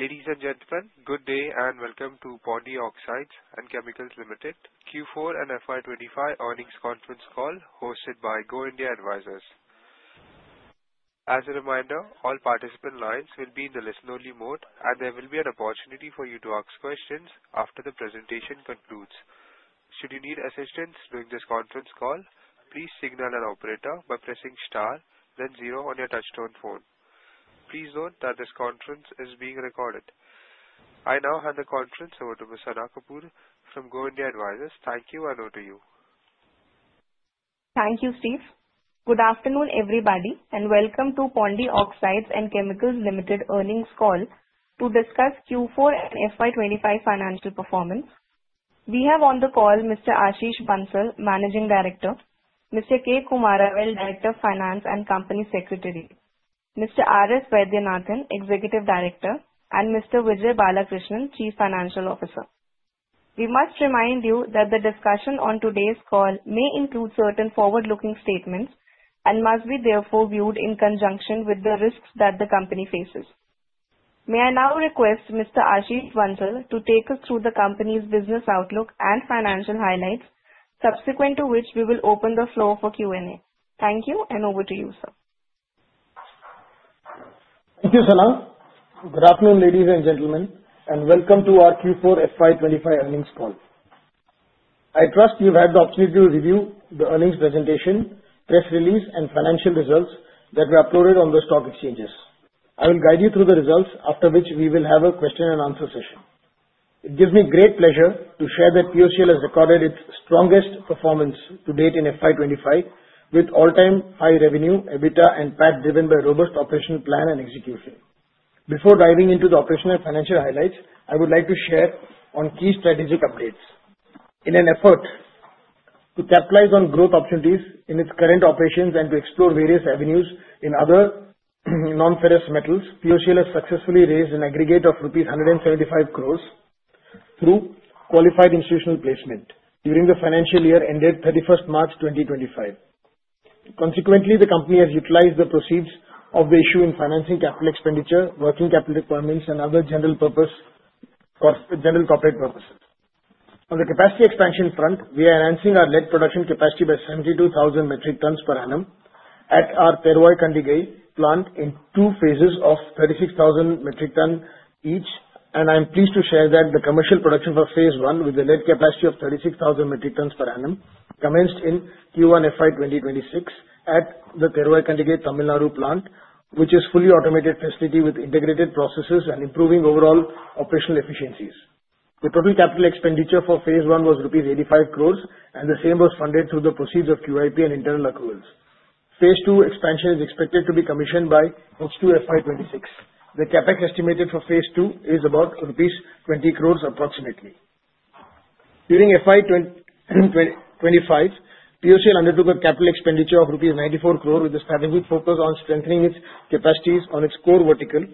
Ladies and gentlemen, good day and welcome to Pondy Oxides and Chemicals Limited Q4 and FY 2025 earnings conference call hosted by Go India Advisors. As a reminder, all participant lines will be in the listen-only mode, and there will be an opportunity for you to ask questions after the presentation concludes. Should you need assistance during this conference call, please signal an operator by pressing star then zero on your touchtone phone. Please note that this conference is being recorded. I now hand the conference over to Ms. Sana Kapoor from Go India Advisors. Thank you, and over to you. Thank you, Steve. Good afternoon, everybody. Welcome to Pondy Oxides and Chemicals Limited earnings call to discuss Q4 and FY 2025 financial performance. We have on the call Mr. Ashish Bansal, Managing Director, Mr. K. Kumaravel, Director of Finance and Company Secretary, Mr. R.S. Vaidhyanathan, Executive Director, and Mr. Vijay Balakrishnan, Chief Financial Officer. We must remind you that the discussion on today's call may include certain forward-looking statements and must be therefore viewed in conjunction with the risks that the company faces. May I now request Mr. Ashish Bansal to take us through the company's business outlook and financial highlights, subsequent to which we will open the floor for Q&A. Thank you. Over to you, sir. Thank you, Sana. Good afternoon, ladies and gentlemen. Welcome to our Q4 FY 2025 earnings call. I trust you've had the opportunity to review the earnings presentation, press release, and financial results that were uploaded on the stock exchanges. I will guide you through the results, after which we will have a question and answer session. It gives me great pleasure to share that POCL has recorded its strongest performance to date in FY 2025, with all-time high revenue, EBITDA, and PAT driven by robust operational plan and execution. Before diving into the operational and financial highlights, I would like to share on key strategic updates. In an effort to capitalize on growth opportunities in its current operations and to explore various avenues in other non-ferrous metals, POCL has successfully raised an aggregate of rupees 175 crores through qualified institutional placement during the financial year ended 31st March 2025. Consequently, the company has utilized the proceeds of the issue in financing capital expenditure, working capital requirements, and other general corporate purposes. On the capacity expansion front, we are enhancing our lead production capacity by 72,000 metric tons per annum at our Thervoykandigai plant in two phases of 36,000 metric ton each. I'm pleased to share that the commercial production for phase I, with a lead capacity of 36,000 metric tons per annum, commenced in Q1 FY 2026 at the Thervoykandigai, Tamil Nadu plant, which is fully automated facility with integrated processes and improving overall operational efficiencies. The total capital expenditure for phase I was rupees 85 crores, and the same was funded through the proceeds of QIP and internal accruals. phase II expansion is expected to be commissioned by Q2 FY 2026. The CapEx estimated for phase II is about rupees 20 crores approximately. During FY 2025, POCL undertook a capital expenditure of 94 crore rupees with a strategic focus on strengthening its capacities on its core vertical,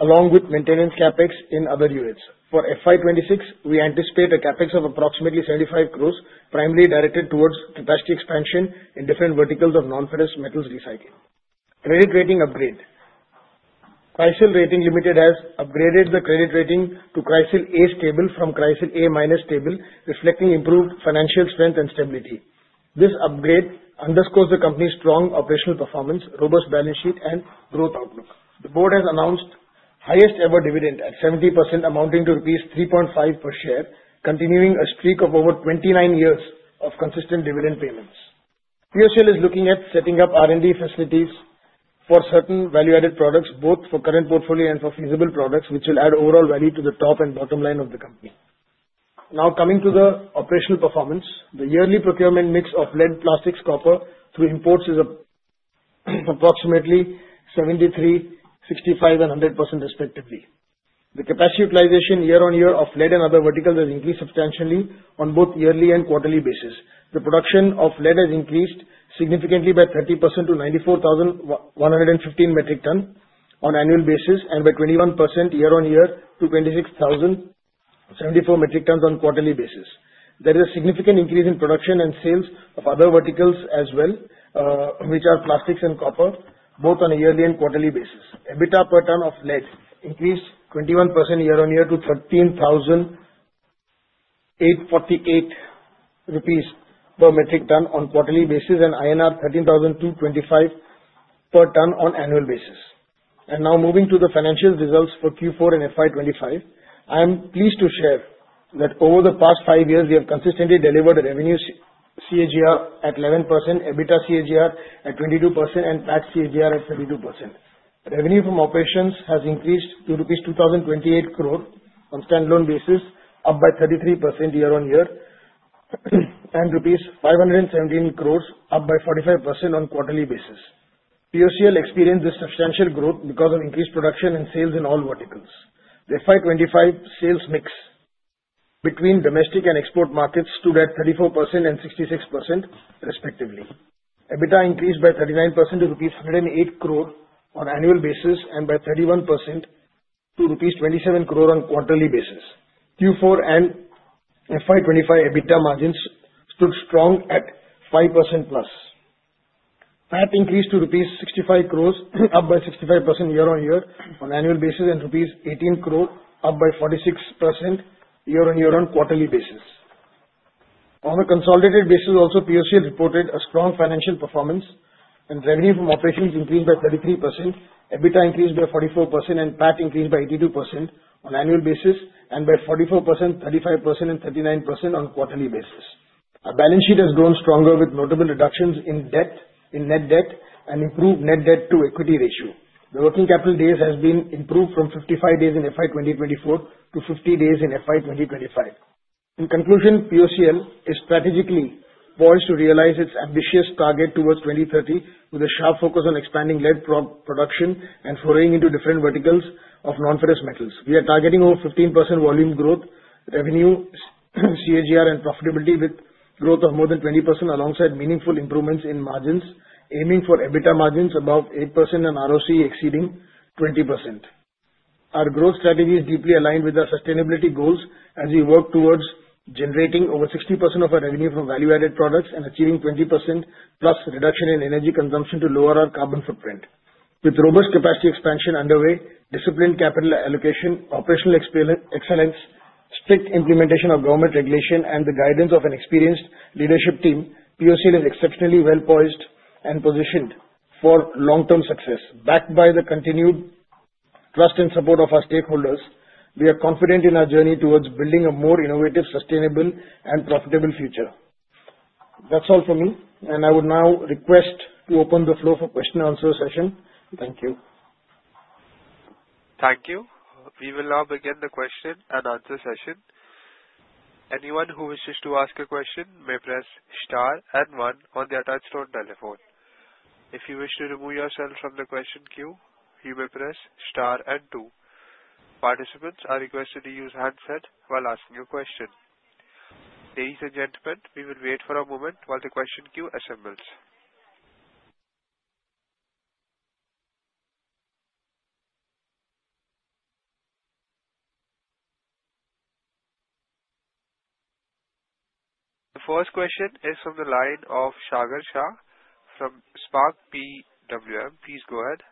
along with maintaining CapEx in other units. For FY 2026, we anticipate a CapEx of approximately 75 crores, primarily directed towards capacity expansion in different verticals of non-ferrous metals recycling. Credit rating upgrade. CRISIL Ratings Limited has upgraded the credit rating to CRISIL A / Stable from CRISIL A- / Stable, reflecting improved financial strength and stability. This upgrade underscores the company's strong operational performance, robust balance sheet, and growth outlook. The board has announced highest-ever dividend at 70%, amounting to rupees 3.5 per share, continuing a streak of over 29 years of consistent dividend payments. POCL is looking at setting up R&D facilities for certain value-added products, both for current portfolio and for feasible products, which will add overall value to the top and bottom line of the company. Coming to the operational performance. The yearly procurement mix of lead, plastics, copper through imports is approximately 73%, 65%, and 100% respectively. The capacity utilization year-over-year of lead and other verticals has increased substantially on both yearly and quarterly basis. The production of lead has increased significantly by 30% to 94,115 metric tons on annual basis and by 21% year-over-year to 26,074 metric tons on quarterly basis. There is a significant increase in production and sales of other verticals as well, which are plastics and copper, both on a yearly and quarterly basis. EBITDA per ton of lead increased 21% year-on-year to 13,848 rupees per metric ton on quarterly basis and INR 13,225 per ton on annual basis. Now moving to the financial results for Q4 and FY 2025. I am pleased to share that over the past five years, we have consistently delivered a revenue CAGR at 11%, EBITDA CAGR at 22%, and PAT CAGR at 32%. Revenue from operations has increased to rupees 2,028 crore on standalone basis, up by 33% year-on-year, and rupees 517 crore, up by 45% on quarterly basis. POCL experienced this substantial growth because of increased production and sales in all verticals. The FY 2025 sales mix between domestic and export markets stood at 34% and 66% respectively. EBITDA increased by 39% to rupees 108 crore on annual basis and by 31% to rupees 27 crore on quarterly basis. Q4 and FY 2025 EBITDA margins stood strong at 5%+. PAT increased to rupees 65 crores, up by 65% year-on-year on annual basis, and rupees 18 crore, up by 46% year-on-year on quarterly basis. On a consolidated basis also, POCL reported a strong financial performance. Revenue from operations increased by 33%, EBITDA increased by 44%, and PAT increased by 82% on annual basis, and by 44%, 35% and 39% on quarterly basis. Our balance sheet has grown stronger with notable reductions in net debt and improved net debt-to-equity ratio. The working capital days has been improved from 55 days in FY 2024 to 50 days in FY 2025. In conclusion, POCL is strategically poised to realize its ambitious target towards 2030 with a sharp focus on expanding lead production and foraying into different verticals of non-ferrous metals. We are targeting over 15% volume growth, revenue, CAGR and profitability with growth of more than 20%, alongside meaningful improvements in margins, aiming for EBITDA margins above 8% and ROCE exceeding 20%. Our growth strategy is deeply aligned with our sustainability goals as we work towards generating over 60% of our revenue from value-added products and achieving 20% plus reduction in energy consumption to lower our carbon footprint. With robust capacity expansion underway, disciplined capital allocation, operational excellence, strict implementation of government regulation, and the guidance of an experienced leadership team, POCL is exceptionally well-poised and positioned for long-term success. Backed by the continued trust and support of our stakeholders, we are confident in our journey towards building a more innovative, sustainable, and profitable future. That's all for me, and I would now request to open the floor for question and answer session. Thank you. Thank you. We will now begin the question and answer session. Anyone who wishes to ask a question press star and one on their touchtone telephone. If you wish to remove yourself from the question queue, you may press star and two. Participants are requested to use handsets while asking your question. Ladies and gentlemen, we will wait for a moment while the question queue assembles. The first question is from the line of Sagar Shah from Spark PWM. Please go ahead.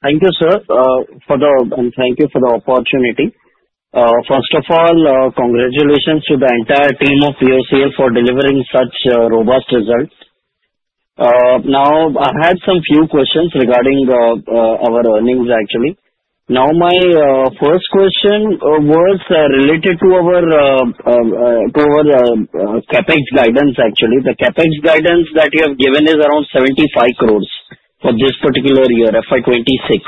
Thank you, sir. Thank you for the opportunity. First of all, congratulations to the entire team of POCL for delivering such robust results. I had some few questions regarding our earnings, actually. My first question was related to our CapEx guidance, actually. The CapEx guidance that you have given is around INR 75 crores for this particular year, FY 2026.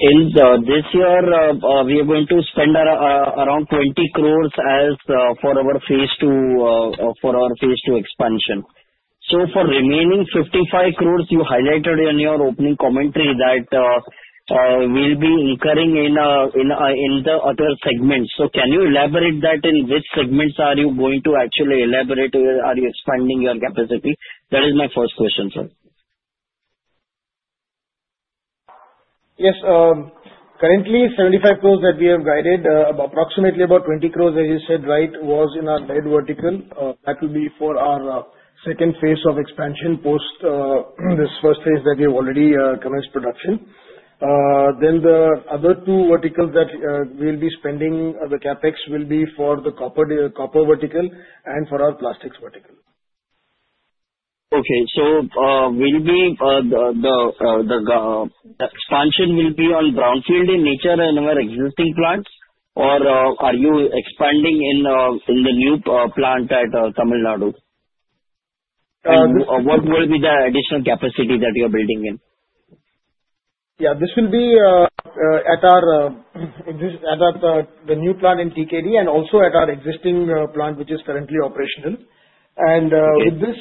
In this year, we are going to spend around 20 crores as for our phase II expansion. For remaining 55 crores, you highlighted in your opening commentary that we'll be incurring in the other segments. Can you elaborate that in which segments are you expanding your capacity? That is my first question, sir. Yes. Currently, 75 crores that we have guided, approximately about 20 crores, as you said, right, was in our lead vertical. That will be for our second phase of expansion post this first phase that we've already commenced production. The other two verticals that we'll be spending the CapEx will be for the copper vertical and for our plastics vertical. Okay. The expansion will be on brownfield in nature in our existing plants, or are you expanding in the new plant at Tamil Nadu? Uh- What will be the additional capacity that you're building in? Yeah, this will be at the new plant in TKD and also at our existing plant, which is currently operational. Okay. With this,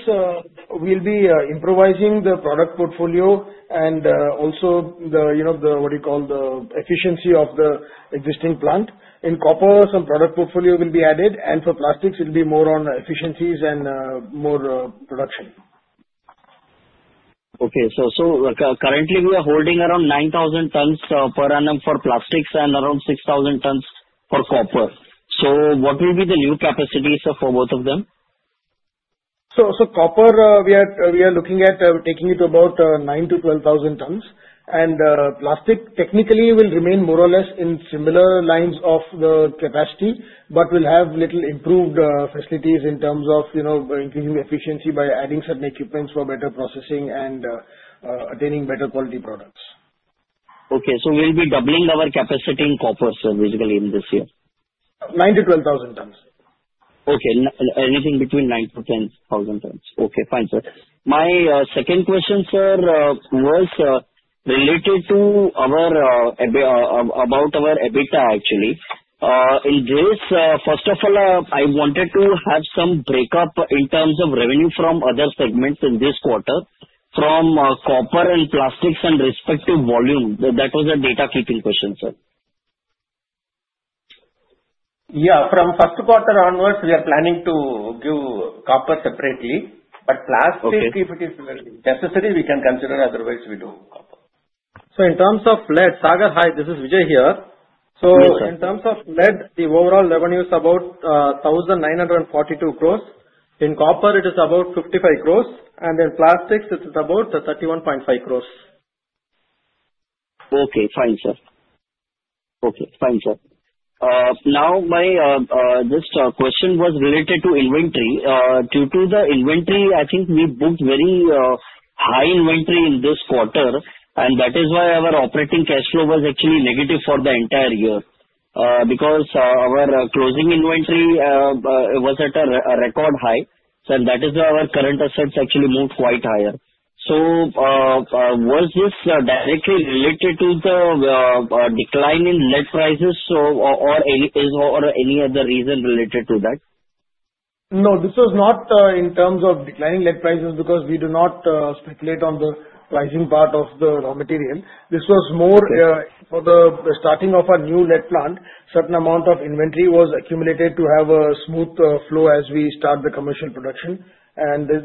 we'll be improvising the product portfolio and also the efficiency of the existing plant. In copper, some product portfolio will be added, and for plastics, it'll be more on efficiencies and more production. Okay. Currently we are holding around 9,000 tons per annum for plastics and around 6,000 tons for copper. What will be the new capacity, sir, for both of them? Copper, we are looking at taking it to about 9,000-12,000 tons. Plastic, technically, will remain more or less in similar lines of the capacity, but will have little improved facilities in terms of increasing efficiency by adding certain equipments for better processing and attaining better quality products. Okay, we'll be doubling our capacity in copper, sir, basically in this year. 9,000-12,000 tons. Okay. Anything between 9,000-10,000 tons. Okay, fine, sir. My second question, sir, was related to our EBITDA, actually. In this, first of all, I wanted to have some breakup in terms of revenue from other segments in this quarter from copper and plastics and respective volume. That was a data keeping question, sir. Yeah. From first quarter onwards, we are planning to give copper separately. Okay If it is necessary, we can consider, otherwise, we don't. In terms of lead, Sagar. Hi, this is Vijay here. Hello, sir. In terms of lead, the overall revenue is about 1,942 crores. In copper it is about 55 crores, and in plastics it is about 31.5 crores. Okay, fine, sir. Now, this question was related to inventory. Due to the inventory, I think we built very high inventory in this quarter, and that is why our operating cash flow was actually negative for the entire year. Because our closing inventory was at a record high. That is why our current assets actually moved quite higher. Was this directly related to the decline in lead prices, or any other reason related to that? No, this was not in terms of decline in lead prices because we do not speculate on the pricing part of the raw material. This was more for the starting of our new lead plant. Certain amount of inventory was accumulated to have a smooth flow as we start the commercial production.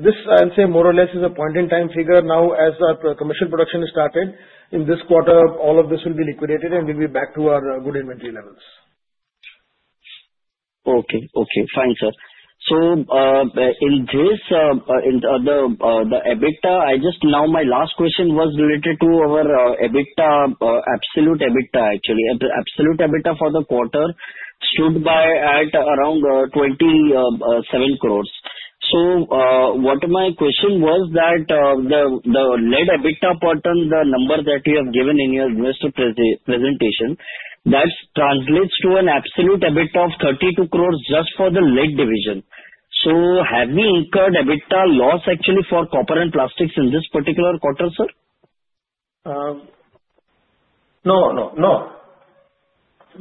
This, I'll say more or less is a point in time figure now as our commercial production is started. In this quarter, all of this will be liquidated and we'll be back to our good inventory levels. Okay. Fine, sir. Now my last question was related to our absolute EBITDA actually. Absolute EBITDA for the quarter stood by at around 27 crores. What my question was that the lead EBITDA pattern, the number that you have given in your investor presentation, that translates to an absolute EBITDA of 32 crores just for the lead division. Have we incurred EBITDA loss actually for copper and plastics in this particular quarter, sir? No.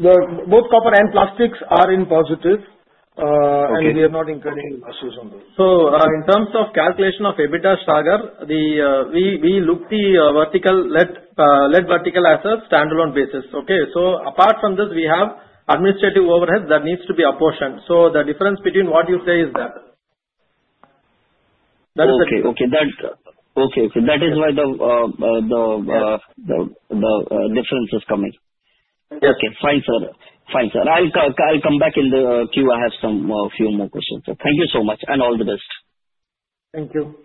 Both copper and plastics are in positive Okay We are not incurring losses on those. In terms of calculation of EBITDA, Sagar, we look the lead vertical as a standalone basis. Okay. Apart from this, we have administrative overhead that needs to be apportioned. The difference between what you say is that. Okay. That is why the difference is coming. Yes. Okay. Fine, sir. I'll come back in the queue. I have few more questions. Thank you so much, and all the best. Thank you.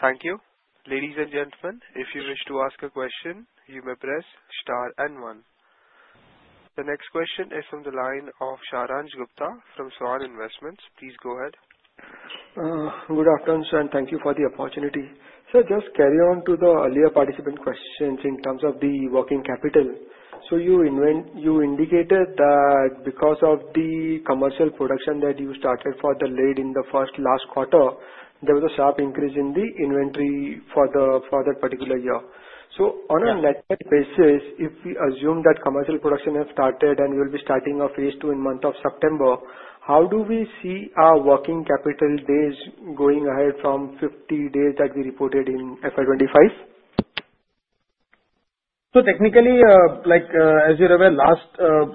Thank you. Ladies and gentlemen, if you wish to ask a question, you may press star and one. The next question is from the line of Saransh Gupta from SVAN Investments. Please go ahead. Good afternoon, sir, and thank you for the opportunity. Sir, just carry on to the earlier participant questions in terms of the working capital. You indicated that because of the commercial production that you started for the lead in the first last quarter, there was a sharp increase in the inventory for that particular year. On a net debt basis, if we assume that commercial production has started and you'll be starting a phase II in the month of September, how do we see our working capital days going ahead from 50 days that we reported in FY 2025? Technically, as you're aware,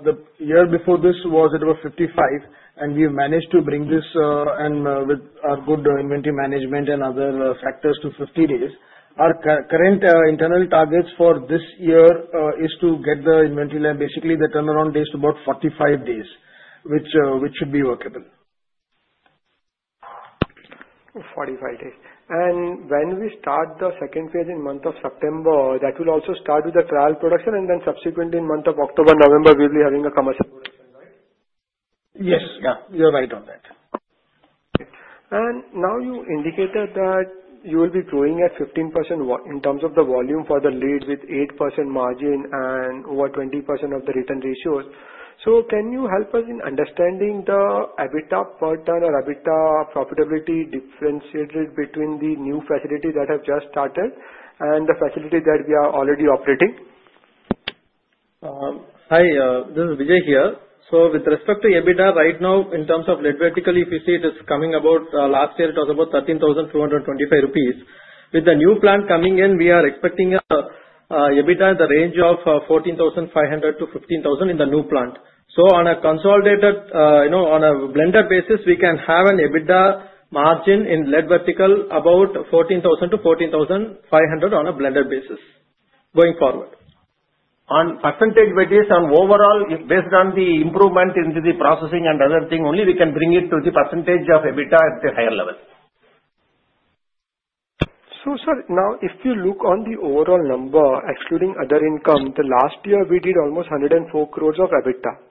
the year before this it was 55, we've managed to bring this with our good inventory management and other factors to 50 days. Our current internal targets for this year is to get the inventory basically the turnaround days to about 45 days, which should be workable. 45 days. When we start the second phase in the month of September, that will also start with the trial production, and then subsequently in the month of October, November, we'll be having a commercial production, right? Yes. You're right on that. Now you indicated that you will be growing at 15% in terms of the volume for the lead, with 8% margin and over 20% of the return ratios. Can you help us in understanding the EBITDA pattern or EBITDA profitability differentiated between the new facility that has just started and the facility that we are already operating? Hi, this is Vijay here. With respect to EBITDA, right now in terms of lead vertically, if you see it is coming about, last year it was about 13,225 rupees. With the new plant coming in, we are expecting our EBITDA in the range of 14,500-15,000 in the new plant. On a blended basis, we can have an EBITDA margin in lead vertical, about 14,000-14,500 on a blended basis going forward. On percentage basis, on overall, based on the improvement into the processing and other thing, only we can bring it to the percentage of EBITDA at a higher level. Sir, now if you look on the overall number, excluding other income, the last year we did almost 104 crores of EBITDA.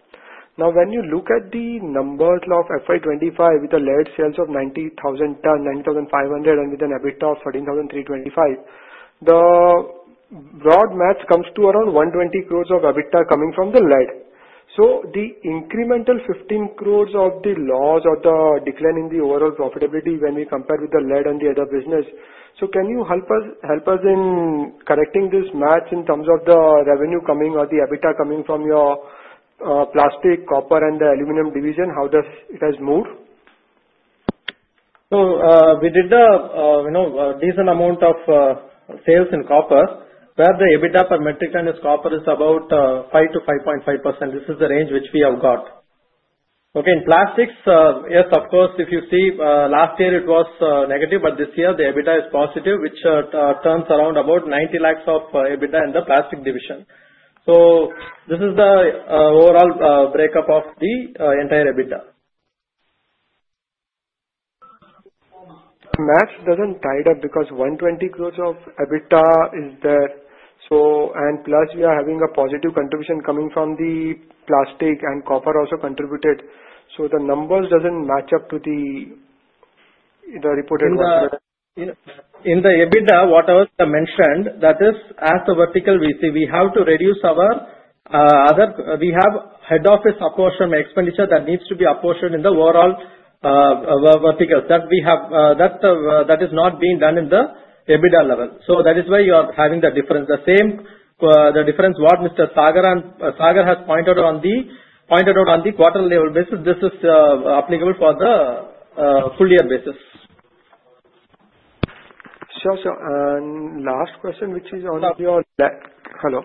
When you look at the numbers of FY 2025 with the lead sales of 90,000 tons, 95,500 and with an EBITDA of 14,325, the broad math comes to around 120 crores of EBITDA coming from the lead. The incremental 15 crores of the loss or the decline in the overall profitability when we compare with the lead and the other business. Can you help us in correcting this math in terms of the revenue coming or the EBITDA coming from your plastic, copper and the aluminum division, how it has moved? We did a decent amount of sales in copper, where the EBITDA per metric ton is copper is about 5%-5.5%. This is the range which we have got. In plastics, yes, of course, if you see last year it was negative, but this year the EBITDA is positive, which turns around about 90,000 of EBITDA in the plastic division. This is the overall breakup of the entire EBITDA. Math doesn't tie up because 120 crores of EBITDA is there. Plus, we are having a positive contribution coming from the plastic, and copper also contributed. The numbers don't match up to the reported numbers. In the EBITDA, whatever I mentioned, that is as the vertical we see. We have head office apportion expenditure that needs to be apportioned in the overall vertical. That is not being done in the EBITDA level. That is why you are having the difference. The same difference what Mr. Sagar has pointed out on the quarter level basis, this is applicable for the full-year basis. Sure. Last question, which is on your lead. Hello?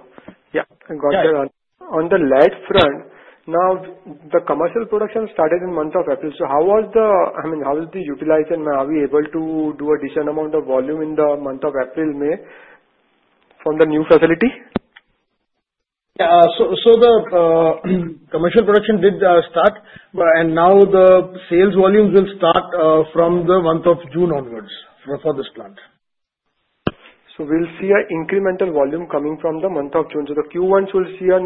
Yeah. I got you. On the lead front, now the commercial production started in the month of April. How is the utilization? Are we able to do a decent amount of volume in the month of April, May from the new facility? The commercial production did start, and now the sales volumes will start from the month of June onwards for this plant. We'll see an incremental volume coming from the month of June. The Q1s will see a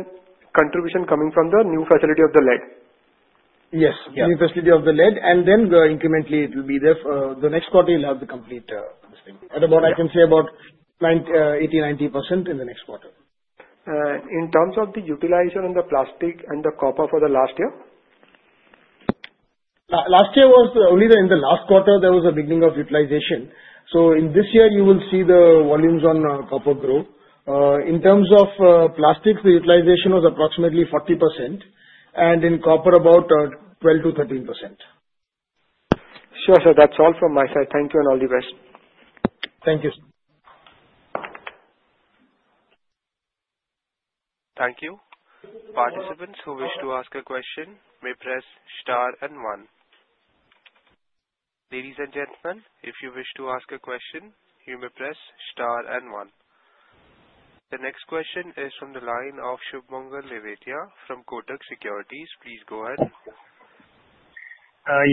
contribution coming from the new facility of the lead. Yes. Yeah. New facility of the lead, and then incrementally it will be there for the next quarter you'll have the complete thing. At about I can say about 80%-90% in the next quarter. In terms of the utilization in the plastic and the copper for the last year? Last year, only in the last quarter there was a beginning of utilization. In this year, you will see the volumes on copper grow. In terms of plastics, the utilization was approximately 40%, and in copper, about 12%-13%. Sure. That's all from my side. Thank you, and all the best. Thank you. Thank you. Participant who wish to ask a question may press star and one. Ladies and gentlemen if you wish to ask a question you may press star and one. The next question is from the line of Sumangal Nevatia from Kotak Securities. Please go ahead.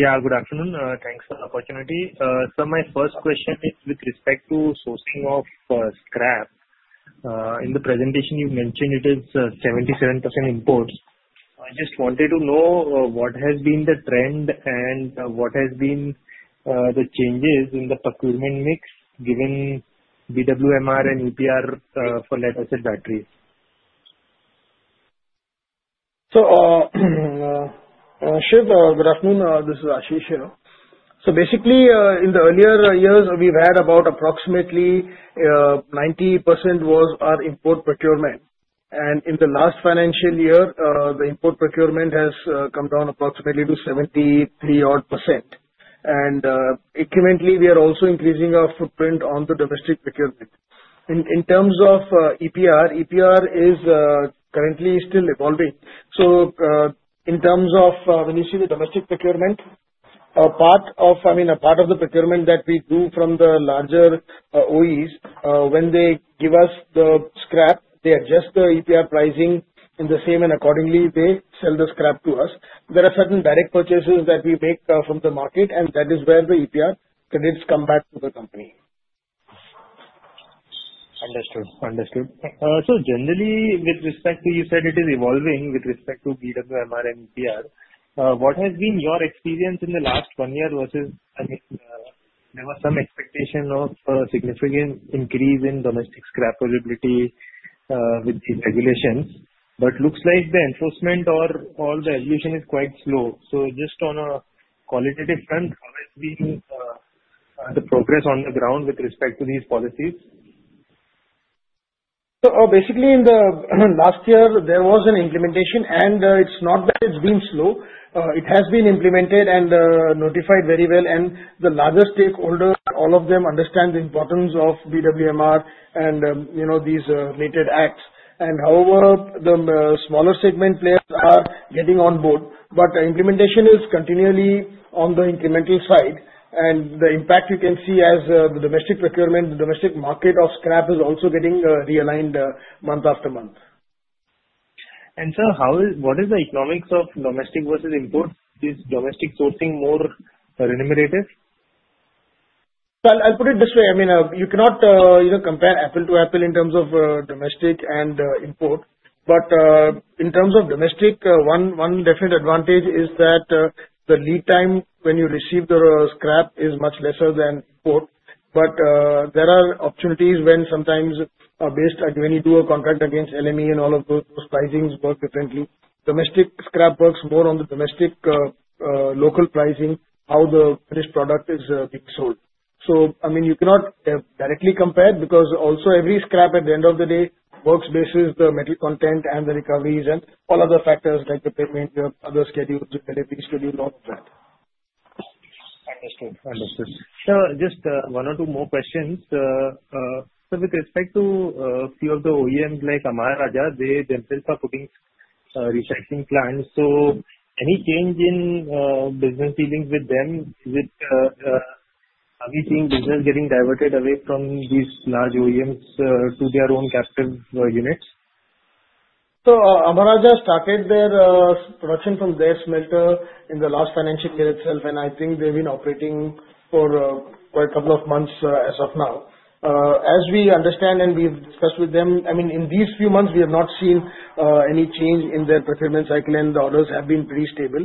Yeah, good afternoon. Thanks for the opportunity. My first question is with respect to sourcing of scrap. In the presentation, you mentioned it is 77% imports. I just wanted to know what has been the trend and what has been the changes in the procurement mix, given BWMR and EPR for lead-acid batteries. Shiv, good afternoon. This is Ashish here. Basically, in the earlier years, we've had approximately 90% was our import procurement. In the last financial year, the import procurement has come down approximately to 73% odd. Incrementally, we are also increasing our footprint on the domestic procurement. In terms of EPR is currently still evolving. In terms of when you see the domestic procurement, a part of the procurement that we do from the larger OEs, when they give us the scrap, they adjust the EPR pricing in the same, and accordingly, they sell the scrap to us. There are certain direct purchases that we make from the market, and that is where the EPR credits come back to the company. Understood. Generally, you said it is evolving with respect to BWMR and EPR. What has been your experience in the last one year versus there was some expectation of a significant increase in domestic scrap availability with these regulations. Looks like the enforcement or the evolution is quite slow. Just on a qualitative front, how has been the progress on the ground with respect to these policies? Basically in the last year, there was an implementation, and it is not that it has been slow. It has been implemented and notified very well, and the larger stakeholders, all of them understand the importance of BWMR and these related acts. However, the smaller segment players are getting on board, but the implementation is continually on the incremental side, and the impact you can see as the domestic procurement, the domestic market of scrap is also getting realigned month after month. Sir, what is the economics of domestic versus import? Is domestic sourcing more remunerative? I'll put it this way. You cannot compare apple to apple in terms of domestic and import. In terms of domestic, one definite advantage is that the lead time when you receive the scrap is much lesser than port. There are opportunities when sometimes based, like when you do a contract against LME and all of those pricings work differently. Domestic scrap works more on the domestic local pricing, how the finished product is being sold. You cannot directly compare because also every scrap at the end of the day works basis the metal content and the recoveries and all other factors like the payment, other schedules, credit fee schedule, all of that. Understood. Sir, just one or two more questions. Sir, with respect to a few of the OEMs like Amara Raja, they themselves are putting recycling plants. Any change in business dealings with them? Are we seeing business getting diverted away from these large OEMs to their own captive units? Amara Raja started their production from their smelter in the last financial year itself, and I think they've been operating for quite a couple of months as of now. As we understand and we've discussed with them, in these few months, we have not seen any change in their procurement cycle, and the orders have been pretty stable.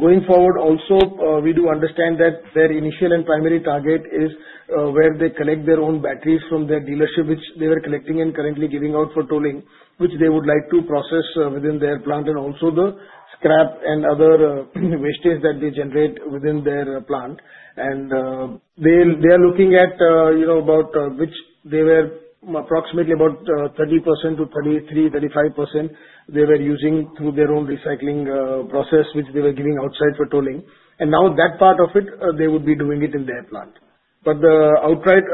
Going forward also, we do understand that their initial and primary target is where they collect their own batteries from their dealership, which they were collecting and currently giving out for tolling, which they would like to process within their plant, and also the scrap and other wastage that they generate within their plant. They are looking at approximately about 30%-33%-35% they were using through their own recycling process, which they were giving outside for tolling. Now that part of it, they would be doing it in their plant. The outright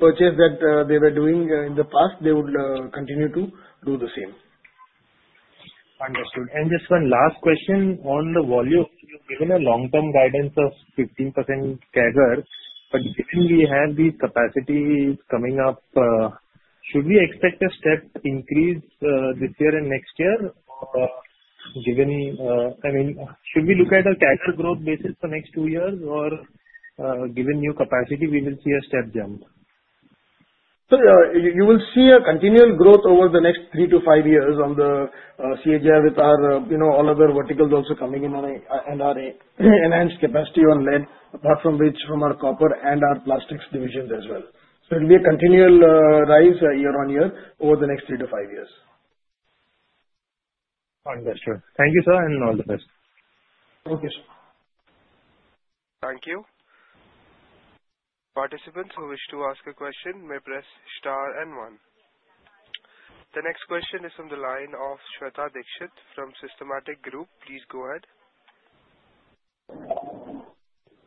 purchase that they were doing in the past, they would continue to do the same. Understood. Just one last question on the volume. You've given a long-term guidance of 15% CAGR, but given we have these capacities coming up, should we expect a step increase this year and next year? Should we look at a CAGR growth basis for next two years, or given new capacity, we will see a step jump? Sir, you will see a continual growth over the next three to five years on the CAGR with all of our verticals also coming in and our enhanced capacity on lead, apart from which from our copper and our plastics divisions as well. It'll be a continual rise year-on-year over the next three to five years. Understood. Thank you, sir, and all the best. Okay, sir. Thank you. Participants who wish to ask a question may press star and one. The next question is from the line of Shweta Dikshit from Systematix Group. Please go ahead.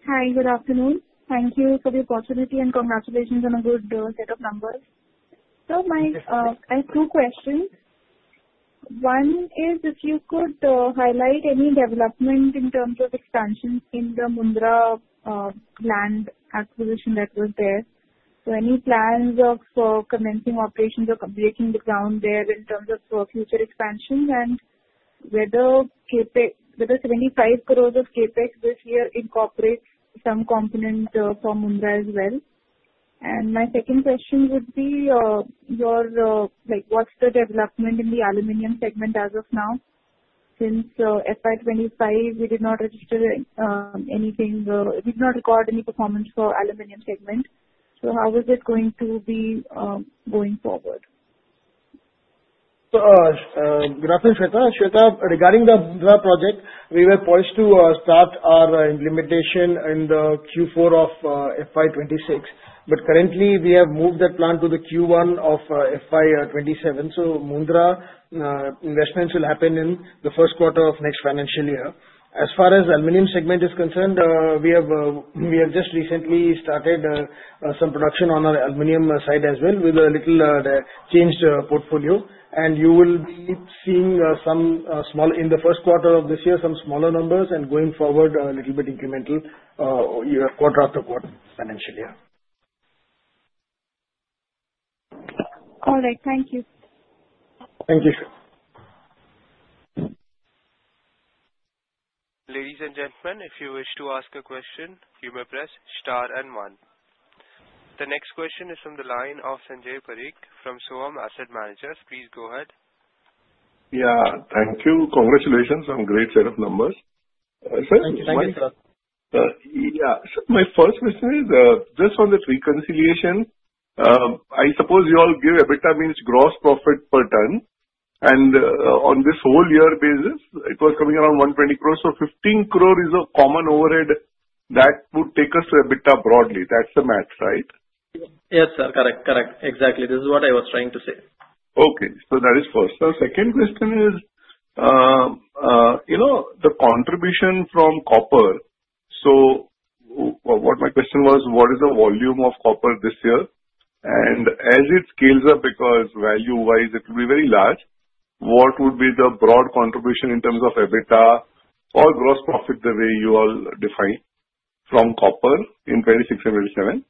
Hi, good afternoon. Thank you for the opportunity, and congratulations on a good set of numbers. Sir, I have two questions. One is if you could highlight any development in terms of expansion in the Mundra land acquisition that was there. So any plans for commencing operations or completing the ground there in terms of future expansion? And whether 75 crores of CapEx this year incorporates some component from Mundra as well? And my second question would be what's the development in the aluminum segment as of now? Since FY 2025, we did not record any performance for aluminum segment. So how is it going to be going forward? Good afternoon, Shweta. Shweta, regarding the Mundra project, we were poised to start our implementation in the Q4 of FY 2026. Currently, we have moved that plan to the Q1 of FY 2027. Mundra investments will happen in the first quarter of next financial year. As far as aluminum segment is concerned, we have just recently started some production on our aluminum side as well with a little changed portfolio. You will be seeing in the first quarter of this year some smaller numbers and going forward a little bit incremental quarter after quarter financial year. All right, thank you. Thank you. The next question is from the line of Sanjay Parekh from Sohum Asset Managers. Please go ahead. Yeah, thank you. Congratulations on great set of numbers. Thank you, sir. Yeah. My first question is just on the reconciliation. I suppose you all give EBITDA means gross profit per ton, and on this whole year basis, it was coming around 120 crores. 15 crore is a common overhead that would take us to EBITDA broadly. That's the math, right? Yes, sir. Correct. Exactly. This is what I was trying to say. That is first. The second question is the contribution from copper. What my question was, what is the volume of copper this year? As it scales up, because value-wise, it will be very large, what would be the broad contribution in terms of EBITDA or gross profit, the way you all define, from copper in 2026 and 2027?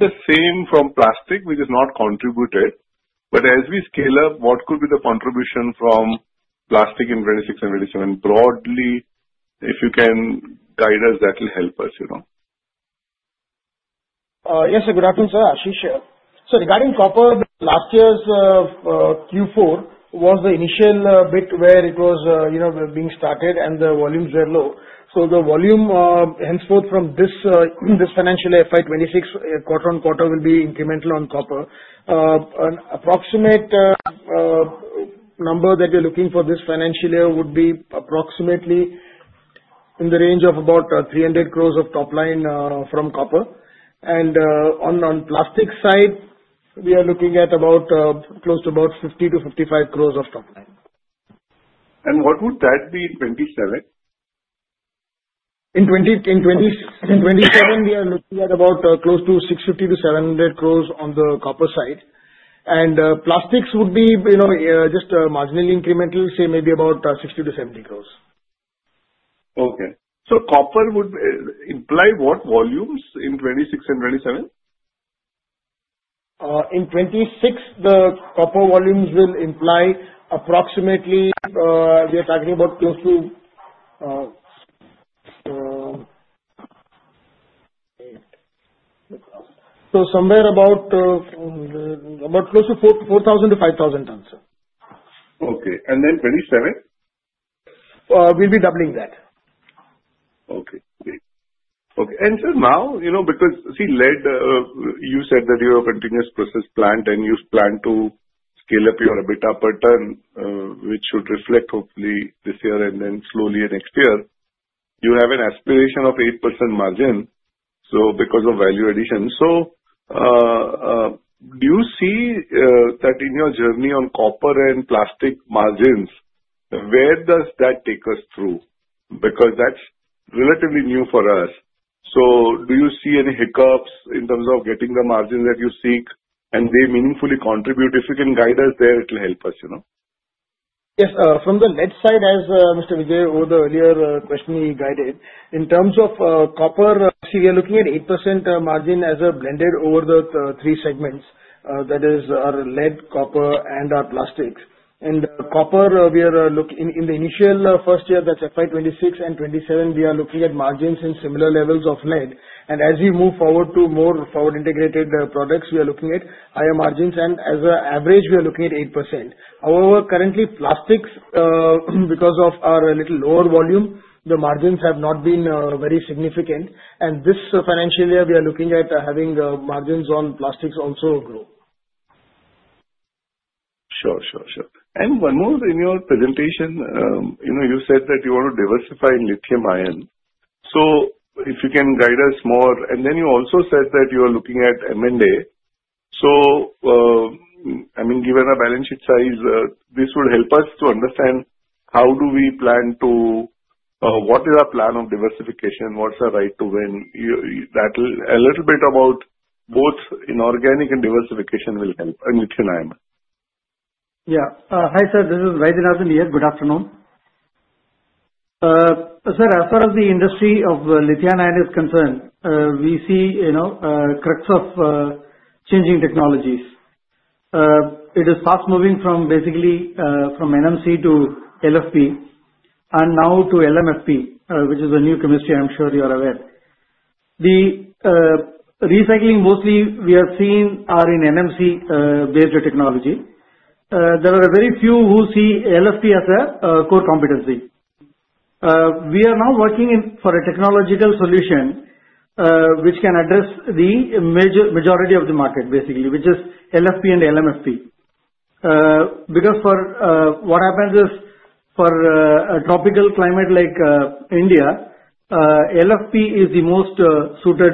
The same from plastic, which has not contributed. As we scale up, what could be the contribution from plastic in 2026 and 2027 broadly? If you can guide us, that will help us. Yes, sir. Good afternoon, sir. Ashish here. Regarding copper, last year's Q4 was the initial bit where it was being started and the volumes were low. The volume henceforth from this financial year, FY 2026, quarter-on-quarter will be incremental on copper. An approximate number that you're looking for this financial year would be approximately in the range of about 300 crores of top line from copper. On plastic side, we are looking at close to about 50 crores-55 crores of top line. What would that be in 2027? In 2027, we are looking at about close to 650 crores-700 crores on the copper side. Plastics would be just marginally incremental, say maybe about 60 crores-70 crores. Okay. copper would imply what volumes in 2026 and 2027? In 2026, the copper volumes will imply approximately, we are talking about close to somewhere about close to 4,000 to 5,000 tons. Okay. Then 2027? We'll be doubling that. Okay, great. Till now, because, see, lead, you said that you have a continuous process plant and you plan to scale up your EBITDA per ton, which should reflect hopefully this year and then slowly next year. You have an aspiration of 8% margin because of value addition. Do you see that in your journey on copper and plastic margins, where does that take us through? That's relatively new for us. Do you see any hiccups in terms of getting the margin that you seek and they meaningfully contribute? If you can guide us there, it'll help us. Yes. From the lead side, as Mr. Vijay over the earlier question he guided, in terms of copper, we are looking at 8% margin as blended over the three segments. That is our lead, copper, and our plastics. Copper, in the initial first year, that's FY 2026 and FY 2027, we are looking at margins in similar levels of lead. As we move forward to more forward-integrated products, we are looking at higher margins, and as an average, we are looking at 8%. However, currently, plastics, because of our little lower volume, the margins have not been very significant. This financial year, we are looking at having margins on plastics also grow. Sure. One more in your presentation, you said that you want to diversify in lithium-ion. If you can guide us more. You also said that you are looking at M&A. Given our balance sheet size, this would help us to understand what is our plan on diversification, what's our right to win. A little bit about both inorganic and diversification will help in lithium-ion. Yeah. Hi, sir, this is Vaidyanathan here. Good afternoon. Sir, as far as the industry of lithium-ion is concerned, we see crux of changing technologies. It is fast moving from basically NMC to LFP and now to LMFP, which is a new chemistry, I'm sure you are aware. The recycling mostly we are seeing are in NMC-based technology. There are very few who see LFP as a core competency. We are now working for a technological solution which can address the majority of the market, basically, which is LFP and LMFP. What happens is, for a tropical climate like India, LFP is the most suited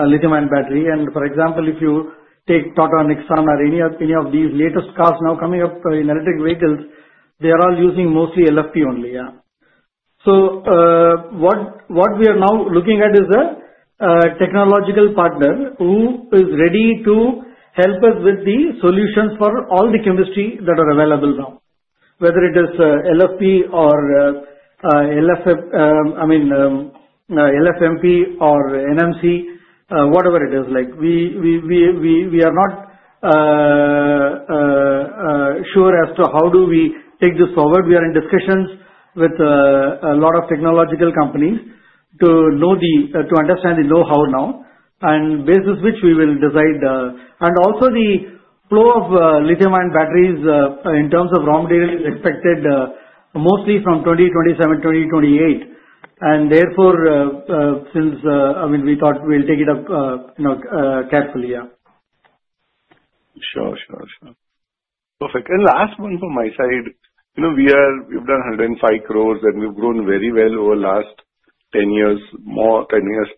lithium-ion battery. For example, if you take Tata Nexon or any of these latest cars now coming up in electric vehicles, they are all using mostly LFP only. What we are now looking at is a technological partner who is ready to help us with the solutions for all the chemistry that are available now. Whether it is LFP or, LMFP or NMC, whatever it is. We are not sure as to how do we take this forward. We are in discussions with a lot of technological companies to understand the know-how now, and basis which we will decide. Also the flow of lithium-ion batteries, in terms of raw material, is expected mostly from 2027, 2028. Therefore, we thought we'll take it up carefully. Sure. Perfect. Last one from my side. We've done 105 crores and we've grown very well over last 10 years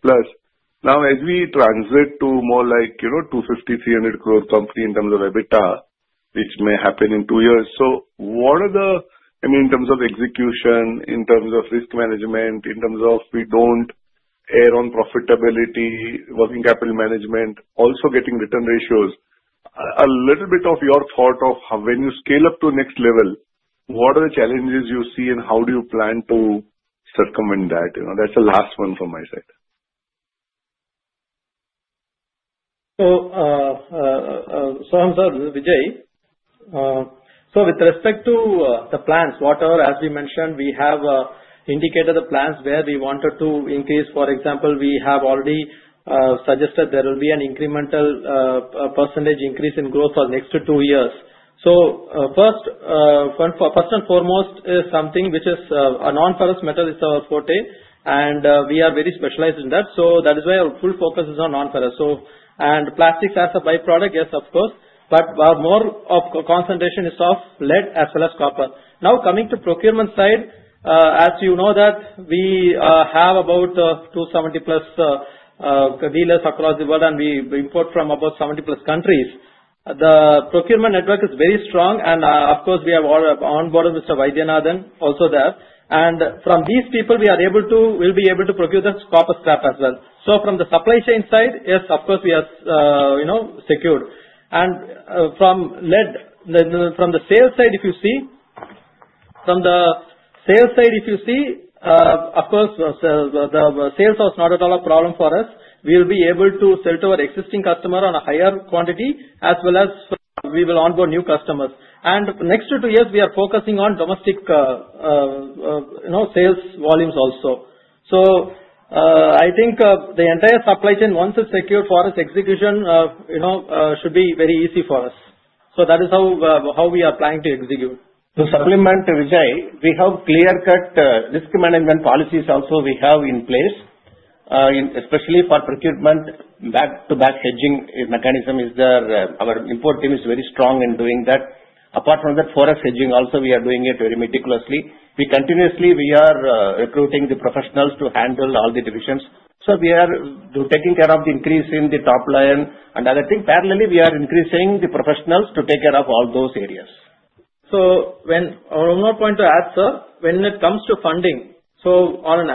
plus. As we transit to more like 250 crore, 300 crore company in terms of EBITDA, which may happen in two years. What are the, in terms of execution, in terms of risk management, in terms of we don't err on profitability, working capital management, also getting return ratios. A little bit of your thought of when you scale up to next level, what are the challenges you see and how do you plan to circumvent that? That's the last one from my side. Sir, this is Vijay. With respect to the plans, whatever, as we mentioned, we have indicated the plans where we wanted to increase. For example, we have already suggested there will be an incremental percentage increase in growth for next two years. First and foremost is something which is a non-ferrous metal is our forte, and we are very specialized in that. That is why our full focus is on non-ferrous. Plastics as a byproduct, yes, of course, but more of concentration is of lead as well as copper. Coming to procurement side, as you know that we have about 270+ Dealers across the world. We import from about 70+ countries. The procurement network is very strong. Of course, we have on board Mr. Vaidyanathan also there. From these people, we will be able to procure the copper scrap as well. From the supply chain side, yes, of course, we are secured. From the sales side, if you see, of course, the sales was not at all a problem for us. We will be able to sell to our existing customer on a higher quantity, as well as we will onboard new customers. Next two years, we are focusing on domestic sales volumes also. I think the entire supply chain, once it is secured for us, execution should be very easy for us. That is how we are planning to execute. To supplement Vijay, we have clear-cut risk management policies also we have in place, especially for procurement, back-to-back hedging mechanism is there. Our import team is very strong in doing that. Apart from that, forex hedging also, we are doing it very meticulously. Continuously, we are recruiting the professionals to handle all the divisions. We are taking care of the increase in the top line and other things. Parallelly, we are increasing the professionals to take care of all those areas. One more point to add, sir. When it comes to funding, on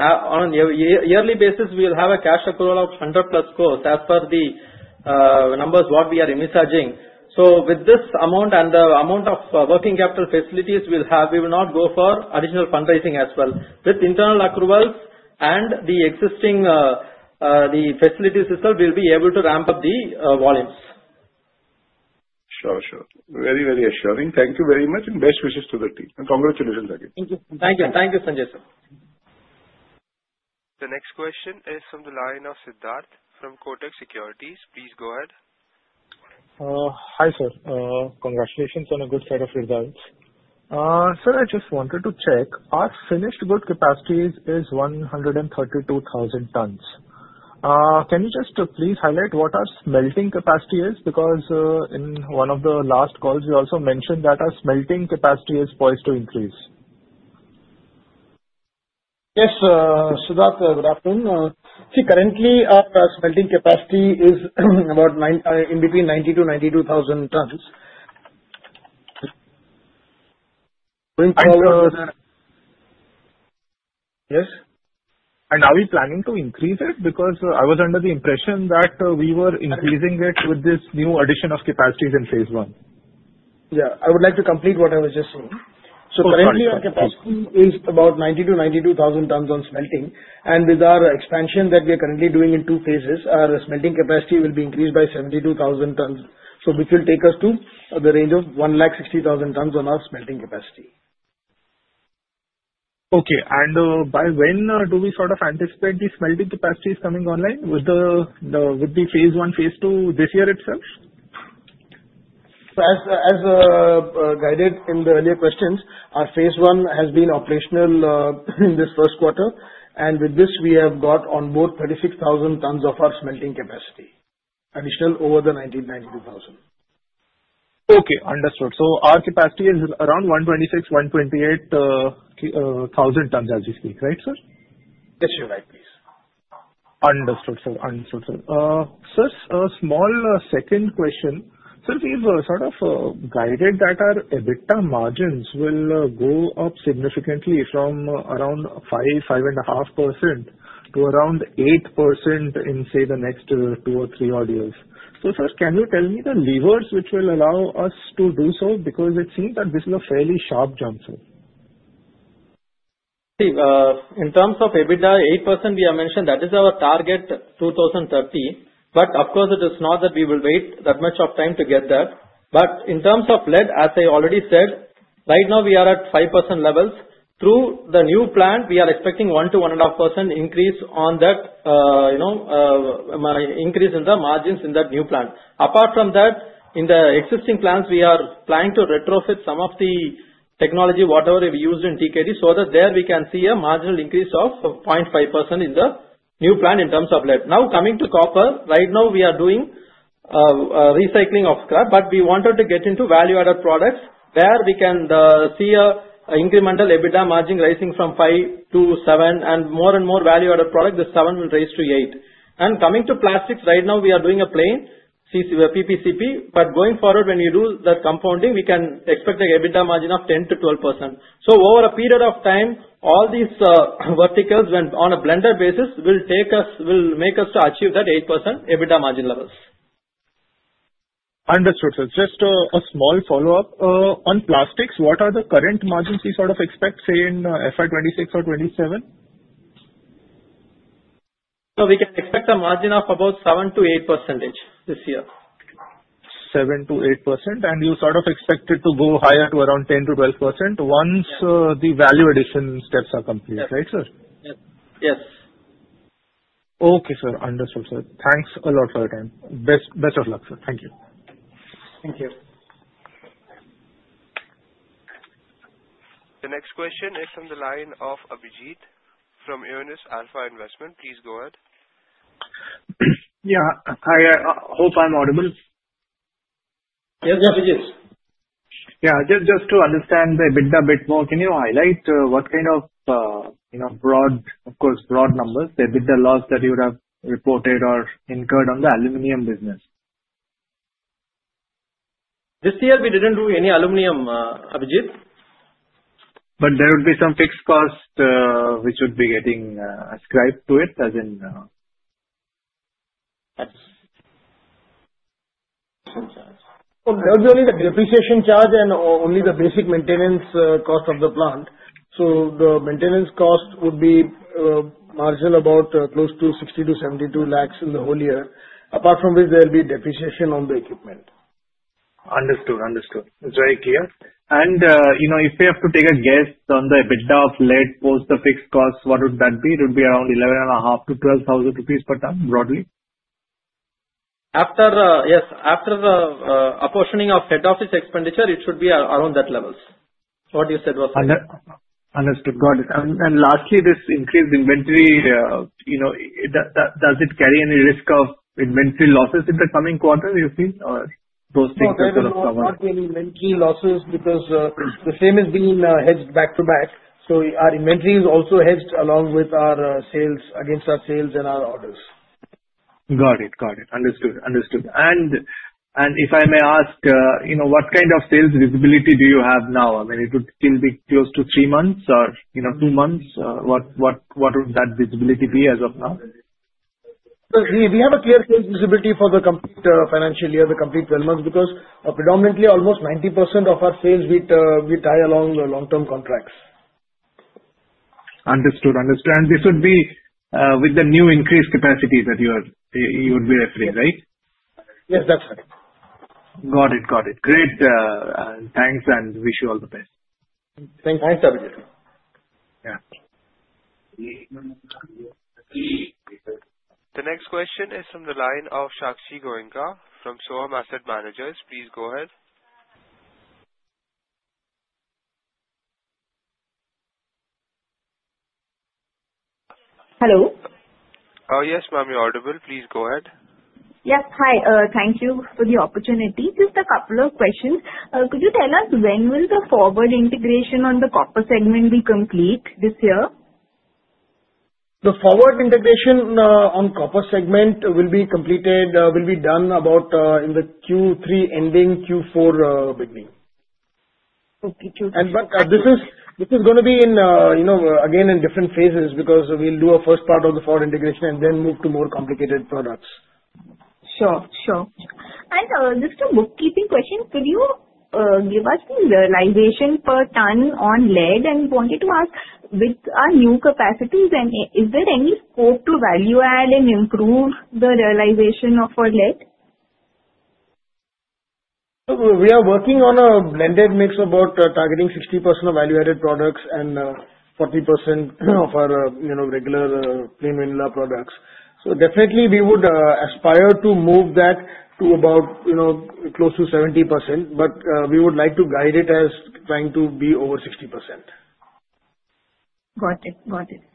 a yearly basis, we'll have a cash accrual of 100+ crores as per the numbers what we are envisaging. With this amount and the amount of working capital facilities we'll have, we will not go for additional fundraising as well. With internal accruals and the existing facilities itself, we'll be able to ramp up the volumes. Sure. Very reassuring. Thank you very much and best wishes to the team, and congratulations again. Thank you. Thank you, Sanjay sir. The next question is from the line of Siddharth from Kotak Securities. Please go ahead. Hi, sir. Congratulations on a good set of results. Sir, I just wanted to check, our finished goods capacity is 132,000 tons. Can you just please highlight what our smelting capacity is? In one of the last calls, you also mentioned that our smelting capacity is poised to increase. Yes, Siddharth. Good afternoon. Currently our smelting capacity is in between 90,000 to 92,000 tons. Going forward Yes. Are we planning to increase it? Because I was under the impression that we were increasing it with this new addition of capacities in phase I. Yeah. I would like to complete what I was just saying. Oh, sorry. Currently our capacity is about 90,000 to 92,000 tons on smelting. With our expansion that we are currently doing in two phases, our smelting capacity will be increased by 72,000 tons. Which will take us to the range of 160,000 tons on our smelting capacity. Okay. By when do we sort of anticipate the smelting capacities coming online? Would be phase I, phase II this year itself? As guided in the earlier questions, our phase I has been operational in this first quarter. With this we have got on board 36,000 tons of our smelting capacity, additional over the 90,000, 92,000. Okay, understood. Our capacity is around 126,000, 128,000 tons as we speak, right, sir? Yes, you're right, please. Understood, sir. Sir, a small second question. Sir, we've sort of guided that our EBITDA margins will go up significantly from around 5%, 5.5% to around 8% in, say, the next two or three odd years. Sir, can you tell me the levers which will allow us to do so? It seems that this is a fairly sharp jump, sir. See, in terms of EBITDA, 8% we have mentioned, that is our target 2030. Of course it is not that we will wait that much of time to get there. In terms of lead, as I already said, right now we are at 5% levels. Through the new plant, we are expecting 1%-1.5% increase in the margins in that new plant. Apart from that, in the existing plants, we are planning to retrofit some of the technology, whatever we've used in TKD, so that there we can see a marginal increase of 0.5% in the new plant in terms of lead. Coming to copper, right now we are doing recycling of scrap, but we wanted to get into value-added products where we can see an incremental EBITDA margin rising from 5%-7% and more and more value-added product, the 7% will raise to 8%. Coming to plastics, right now we are doing a plain PP, CP, but going forward, when we do the compounding, we can expect a EBITDA margin of 10% to 12%. Over a period of time, all these verticals on a blended basis will make us to achieve that 8% EBITDA margin levels. Understood, sir. Just a small follow-up. On plastics, what are the current margins we sort of expect, say, in FY 2026 or 2027? We can expect a margin of about 7%-8% this year. 7%-8%. You sort of expect it to go higher to around 10%-12% once the value addition steps are complete, right sir? Yes. Okay, sir. Understood, sir. Thanks a lot for your time. Best of luck, sir. Thank you. Thank you. The next question is from the line of Abhijit from Aionios Alpha Investment. Please go ahead. Yeah. Hi, hope I'm audible. Yes, Abhijit. Yeah. Just to understand a bit more, can you highlight what kind of broad numbers, EBITDA loss that you would have reported or incurred on the aluminum business? This year, we didn't do any aluminum, Abhijit. There would be some fixed cost, which would be getting ascribed to it as in That's some charge. Sir, there's only the depreciation charge and only the basic maintenance cost of the plant. The maintenance cost would be marginal, about close to 60 lakhs-72 lakhs in the whole year. Apart from which there'll be depreciation on the equipment. Understood. It's very clear. If we have to take a guess on the EBITDA of lead post the fixed cost, what would that be? It would be around eleven and a half to 12,000 rupees per ton, broadly? Yes. After the apportioning of head office expenditure, it should be around that levels. What you said was correct. Understood. Got it. Lastly, this increased inventory, does it carry any risk of inventory losses in the coming quarters, you think? Those things are sort of covered. No, there are not any inventory losses because the same is being hedged back to back. Our inventory is also hedged along with our sales, against our sales and our orders. Got it. Understood. If I may ask, what kind of sales visibility do you have now? I mean, would it still be close to three months or two months? What would that visibility be as of now? Sir, we have a clear sales visibility for the complete financial year, the complete 12 months, because predominantly almost 90% of our sales, we tie along long-term contracts. Understood. This would be with the new increased capacity that you would be referring, right? Yes, that's right. Got it. Great. Thanks, and wish you all the best. Thanks, Abhijit. Yeah. The next question is from the line of Sakshi Goenka from Sohum Asset Managers. Please go ahead. Hello. Yes, ma'am, you're audible. Please go ahead. Yes. Hi, thank you for the opportunity. Just a couple of questions. Could you tell us when will the forward integration on the copper segment be complete this year? The forward integration on copper segment will be done about in the Q3 ending, Q4 beginning. Okay. This is going to be, again, in different phases because we'll do a first part of the forward integration and then move to more complicated products. Sure. Just a bookkeeping question. Could you give us the realization per ton on lead? Wanted to ask, with our new capacities, is there any scope to value add and improve the realization of our lead? We are working on a blended mix about targeting 60% of value-added products and 40% of our regular plain vanilla products. Definitely we would aspire to move that to about close to 70%, but we would like to guide it as trying to be over 60%. Got it.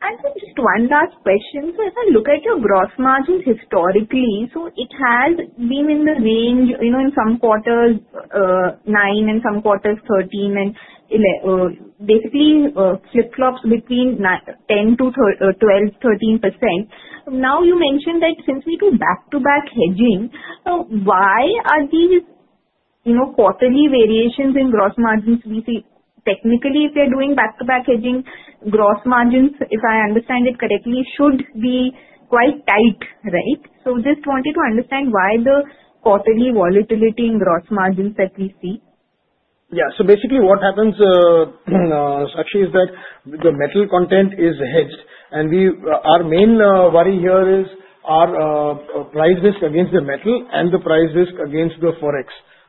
Sir, just one last question. If I look at your gross margins historically, it has been in the range, in some quarters 9 and some quarters 13, and basically flip-flops between 10% to 12%, 13%. You mentioned that since we do back-to-back hedging, why are these quarterly variations in gross margins we see? Technically, if you're doing back-to-back hedging, gross margins, if I understand it correctly, should be quite tight, right? Just wanted to understand why the quarterly volatility in gross margins that we see. Basically what happens, Sakshi, is that the metal content is hedged. Our main worry here is our price risk against the metal and the price risk against the Forex.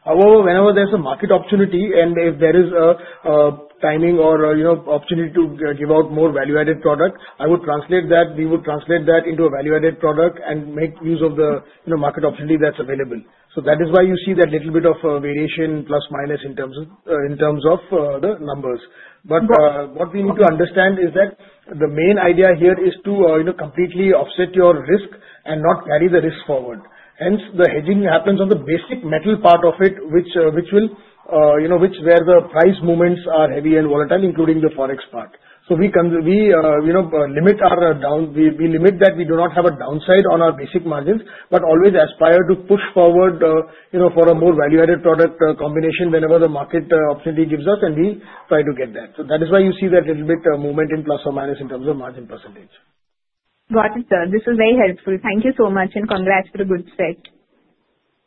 However, whenever there's a market opportunity and if there is a timing or opportunity to give out more value-added product, we would translate that into a value-added product and make use of the market opportunity that's available. That is why you see that little bit of a variation plus minus in terms of the numbers. What we need to understand is that the main idea here is to completely offset your risk and not carry the risk forward. Hence, the hedging happens on the basic metal part of it, where the price movements are heavy and volatile, including the Forex part. We limit that. We do not have a downside on our basic margins, but always aspire to push forward for a more value-added product combination whenever the market opportunity gives us, and we try to get that. That is why you see that little bit of movement in plus or minus in terms of margin percentage. Got it, sir. This was very helpful. Thank you so much. Congrats for the good set.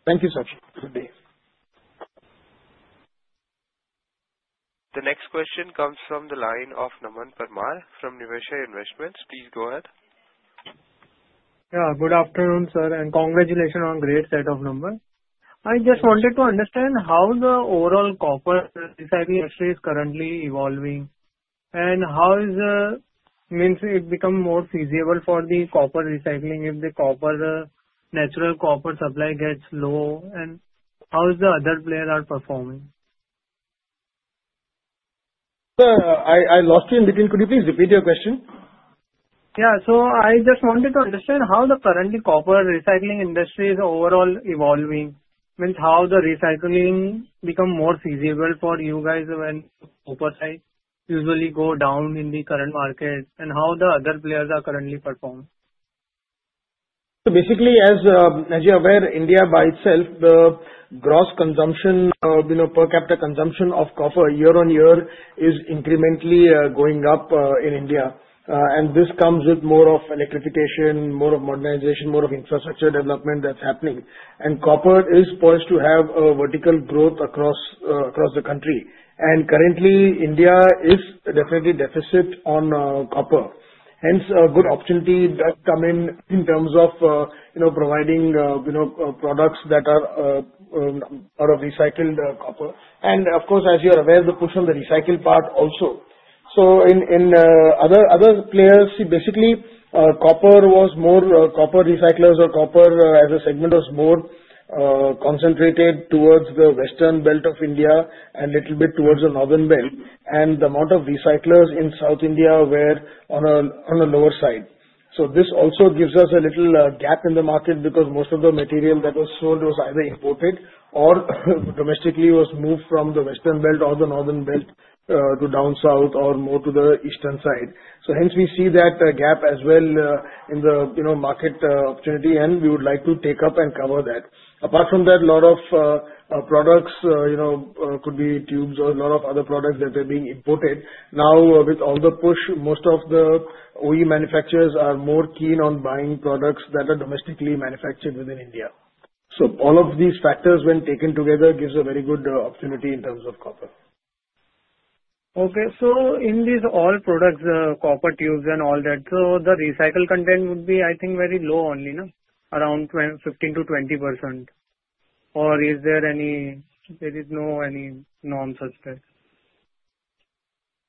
Thank you, Sakshi. Good day. The next question comes from the line of Naman Parmar from Niveshaay. Please go ahead. Yeah, good afternoon, sir, and congratulations on great set of numbers. I just wanted to understand how the overall copper recycling industry is currently evolving, and how is the means it become more feasible for the copper recycling if the natural copper supply gets low, and how is the other players are performing? Sir, I lost you in between. Could you please repeat your question? Yeah. I just wanted to understand how the currently copper recycling industry is overall evolving. Means how the recycling become more feasible for you guys when copper prices usually go down in the current market, and how the other players are currently performing? Basically, as you're aware, India by itself, the gross consumption, per capita consumption of copper year-on-year is incrementally going up in India. This comes with more of electrification, more of modernization, more of infrastructure development that's happening. Copper is poised to have a vertical growth across the country. Currently, India is definitely deficit on copper. Hence, a good opportunity does come in in terms of providing products that are out of recycled copper. Of course, as you're aware, the push on the recycle part also. In other players, basically, copper recyclers or copper as a segment was more concentrated towards the western belt of India and little bit towards the northern belt, and the amount of recyclers in South India were on the lower side. This also gives us a little gap in the market because most of the material that was sold was either imported or domestically was moved from the western belt or the northern belt down south or more to the eastern side. Hence we see that gap as well in the market opportunity, and we would like to take up and cover that. Apart from that, lot of products could be tubes or lot of other products that were being imported. Now with all the push, most of the OE manufacturers are more keen on buying products that are domestically manufactured within India. All of these factors, when taken together, gives a very good opportunity in terms of copper. Okay. In these all products, copper tubes and all that, so the recycle content would be, I think very low only, no? Around 15%-20%. There is any non-such spec?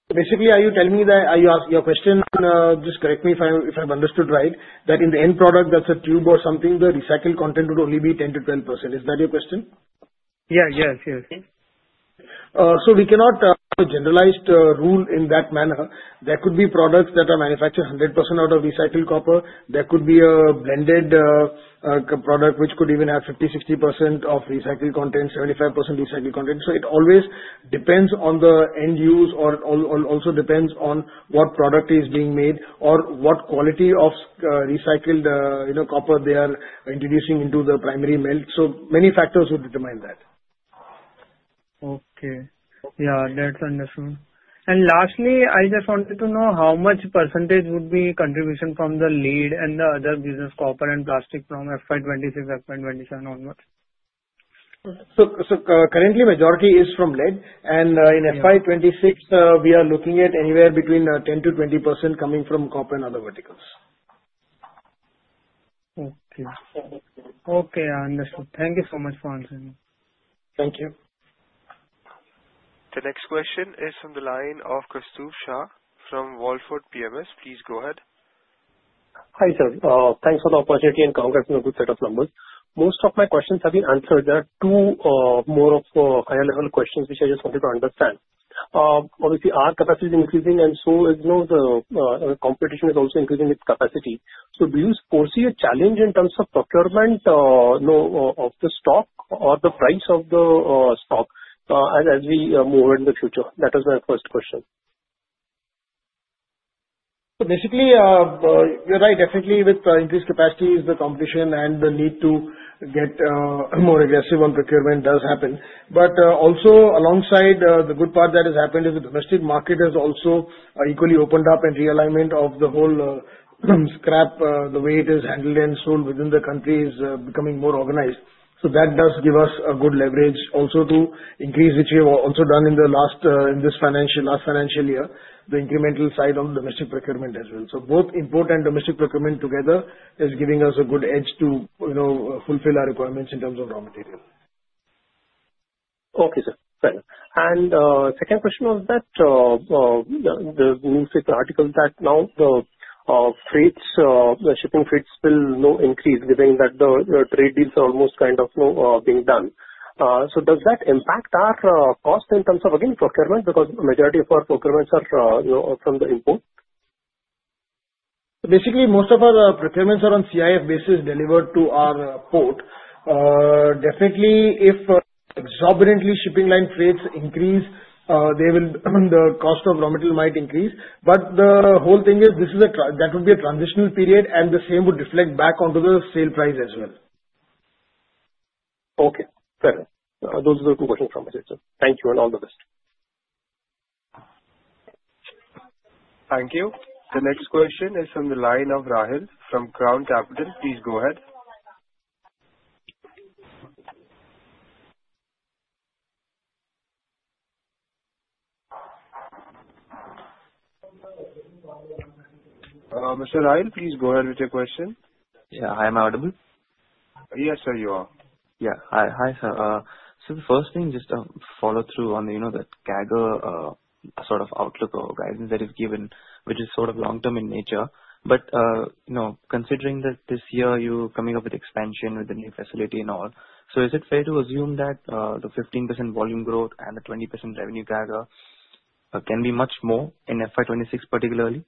Basically, your question, just correct me if I've understood right, that in the end product that's a tube or something, the recycle content would only be 10%-12%. Is that your question? Yeah. We cannot have a generalized rule in that manner. There could be products that are manufactured 100% out of recycled copper. There could be a blended product which could even have 50%, 60% of recycled content, 75% recycled content. It always depends on the end use or also depends on what product is being made or what quality of recycled copper they are introducing into the primary melt. Many factors would determine that. Okay. Yeah, that's understood. Lastly, I just wanted to know how much percentage would be contribution from the lead and the other business, copper and plastic from FY 2026, FY 2027 onwards. Currently, majority is from lead, and in FY 2026, we are looking at anywhere between 10%-20% coming from copper and other verticals. Okay. Understood. Thank you so much for answering. Thank you. The next question is from the line of Kaustubh Shah from Valmoat PMS. Please go ahead. Hi, sir. Thanks for the opportunity and congrats on a good set of numbers. Most of my questions have been answered. There are two more of higher level questions which I just wanted to understand. Obviously, our capacity is increasing and so is the competition is also increasing its capacity. Do you foresee a challenge in terms of procurement of the stock or the price of the stock as we move ahead in the future? That is my first question. Basically, you're right. Definitely with increased capacity is the competition and the need to get more aggressive on procurement does happen. Also alongside the good part that has happened is the domestic market has also equally opened up and realignment of the whole scrap, the way it is handled and sold within the country is becoming more organized. That does give us a good leverage also to increase, which we have also done in the last financial year, the incremental side on domestic procurement as well. Both import and domestic procurement together is giving us a good edge to fulfill our requirements in terms of raw material. Okay, sir. Fair enough. Second question was that, there's news article that now the shipping freights will increase given that the trade deals are almost kind of being done. Does that impact our cost in terms of, again, procurement because majority of our procurements are from the import. Basically, most of our procurements are on CIF basis delivered to our port. Definitely, if exorbitantly shipping line freights increase, the cost of raw material might increase. The whole thing is, that would be a transitional period and the same would reflect back onto the sale price as well. Okay, fair enough. Those are the two questions from my side, sir. Thank you and all the best. Thank you. The next question is from the line of Rahil from Crown Capital. Please go ahead. Mr. Rahil, please go ahead with your question. Yeah. I am audible? Yes, sir, you are. Yeah. Hi, sir. The first thing, just a follow through on the CAGR sort of outlook or guidance that is given, which is sort of long-term in nature. Considering that this year you're coming up with expansion with the new facility and all, is it fair to assume that the 15% volume growth and the 20% revenue CAGR can be much more in FY 2026 particularly?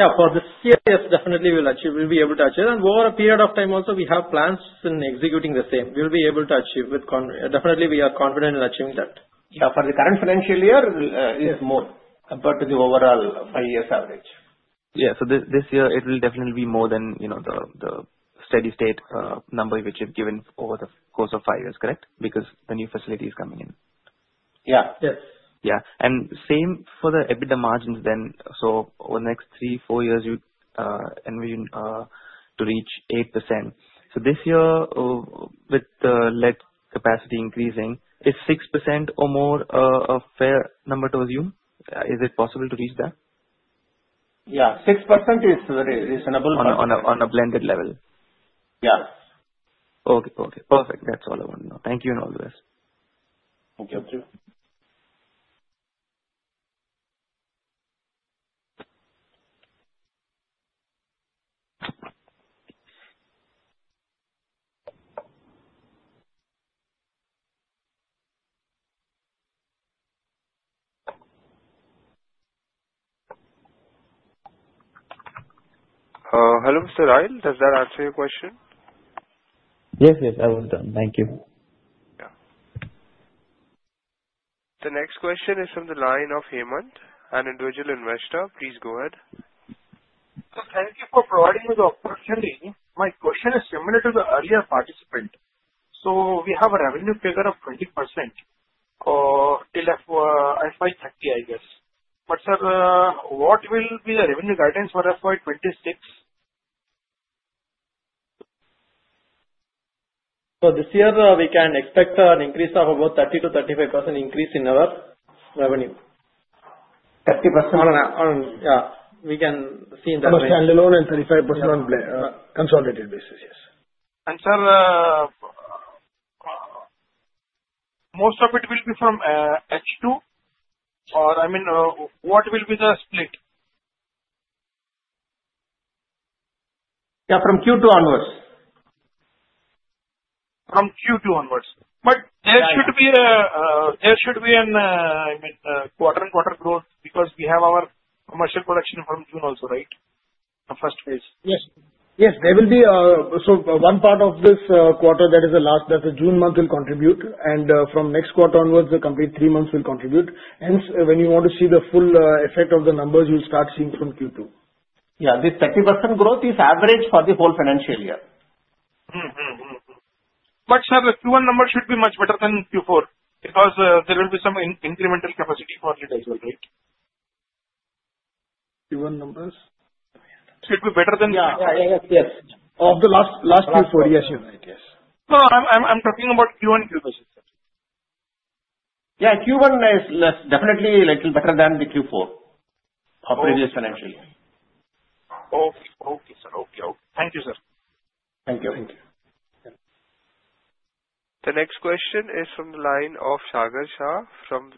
Yeah, for this year, yes, definitely we'll be able to achieve. Over a period of time also, we have plans in executing the same. We'll be able to achieve with confidence. Definitely, we are confident in achieving that. Yeah, for the current financial year, it is more compared to the overall five years average. Yeah. This year it will definitely be more than the steady state number which you've given over the course of five years, correct? Because the new facility is coming in. Yeah. Yes. Yeah. Same for the EBITDA margins then. Over the next three, four years, you envision to reach 8%. This year, with the lead capacity increasing, is 6% or more a fair number to assume? Is it possible to reach that? Yeah, 6% is very reasonable. On a blended level. Yeah. Okay, perfect. That's all I want to know. Thank you, and all the best. Thank you. Thank you. Hello, Mr. Rahil, does that answer your question? Yes. I was done. Thank you. Yeah. The next question is from the line of Hemant, an individual investor. Please go ahead. Sir, thank you for providing me the opportunity. My question is similar to the earlier participant. We have a revenue figure of 20% till FY 2030, I guess. Sir, what will be the revenue guidance for FY 2026? For this year, we can expect an increase of about 30%-35% increase in our revenue. 30%? Yeah, we can see in that range. Almost standalone and 35% on consolidated basis, yes. Sir, most of it will be from H2? I mean, what will be the split? Yeah, from Q2 onwards. From Q2 onwards. There should be a quarter-on-quarter growth because we have our commercial production from June also, right? Our first phase. Yes. One part of this quarter, that is the last, that is June month will contribute, and from next quarter onwards, the complete three months will contribute. When you want to see the full effect of the numbers, you'll start seeing from Q2. Yeah. This 30% growth is average for the whole financial year. Sir, the Q1 numbers should be much better than Q4 because there will be some incremental capacity for it as well, right? Q1 numbers. Should be better than Yeah. Yes. Of the last Q4. Yes, you're right. Yes. No, I'm talking about Q1, Q2. Yeah, Q1 is definitely little better than the Q4 of previous financial year. Okay, sir. Thank you, sir. Thank you. Thank you. The next question is from the line of Sagar Shah from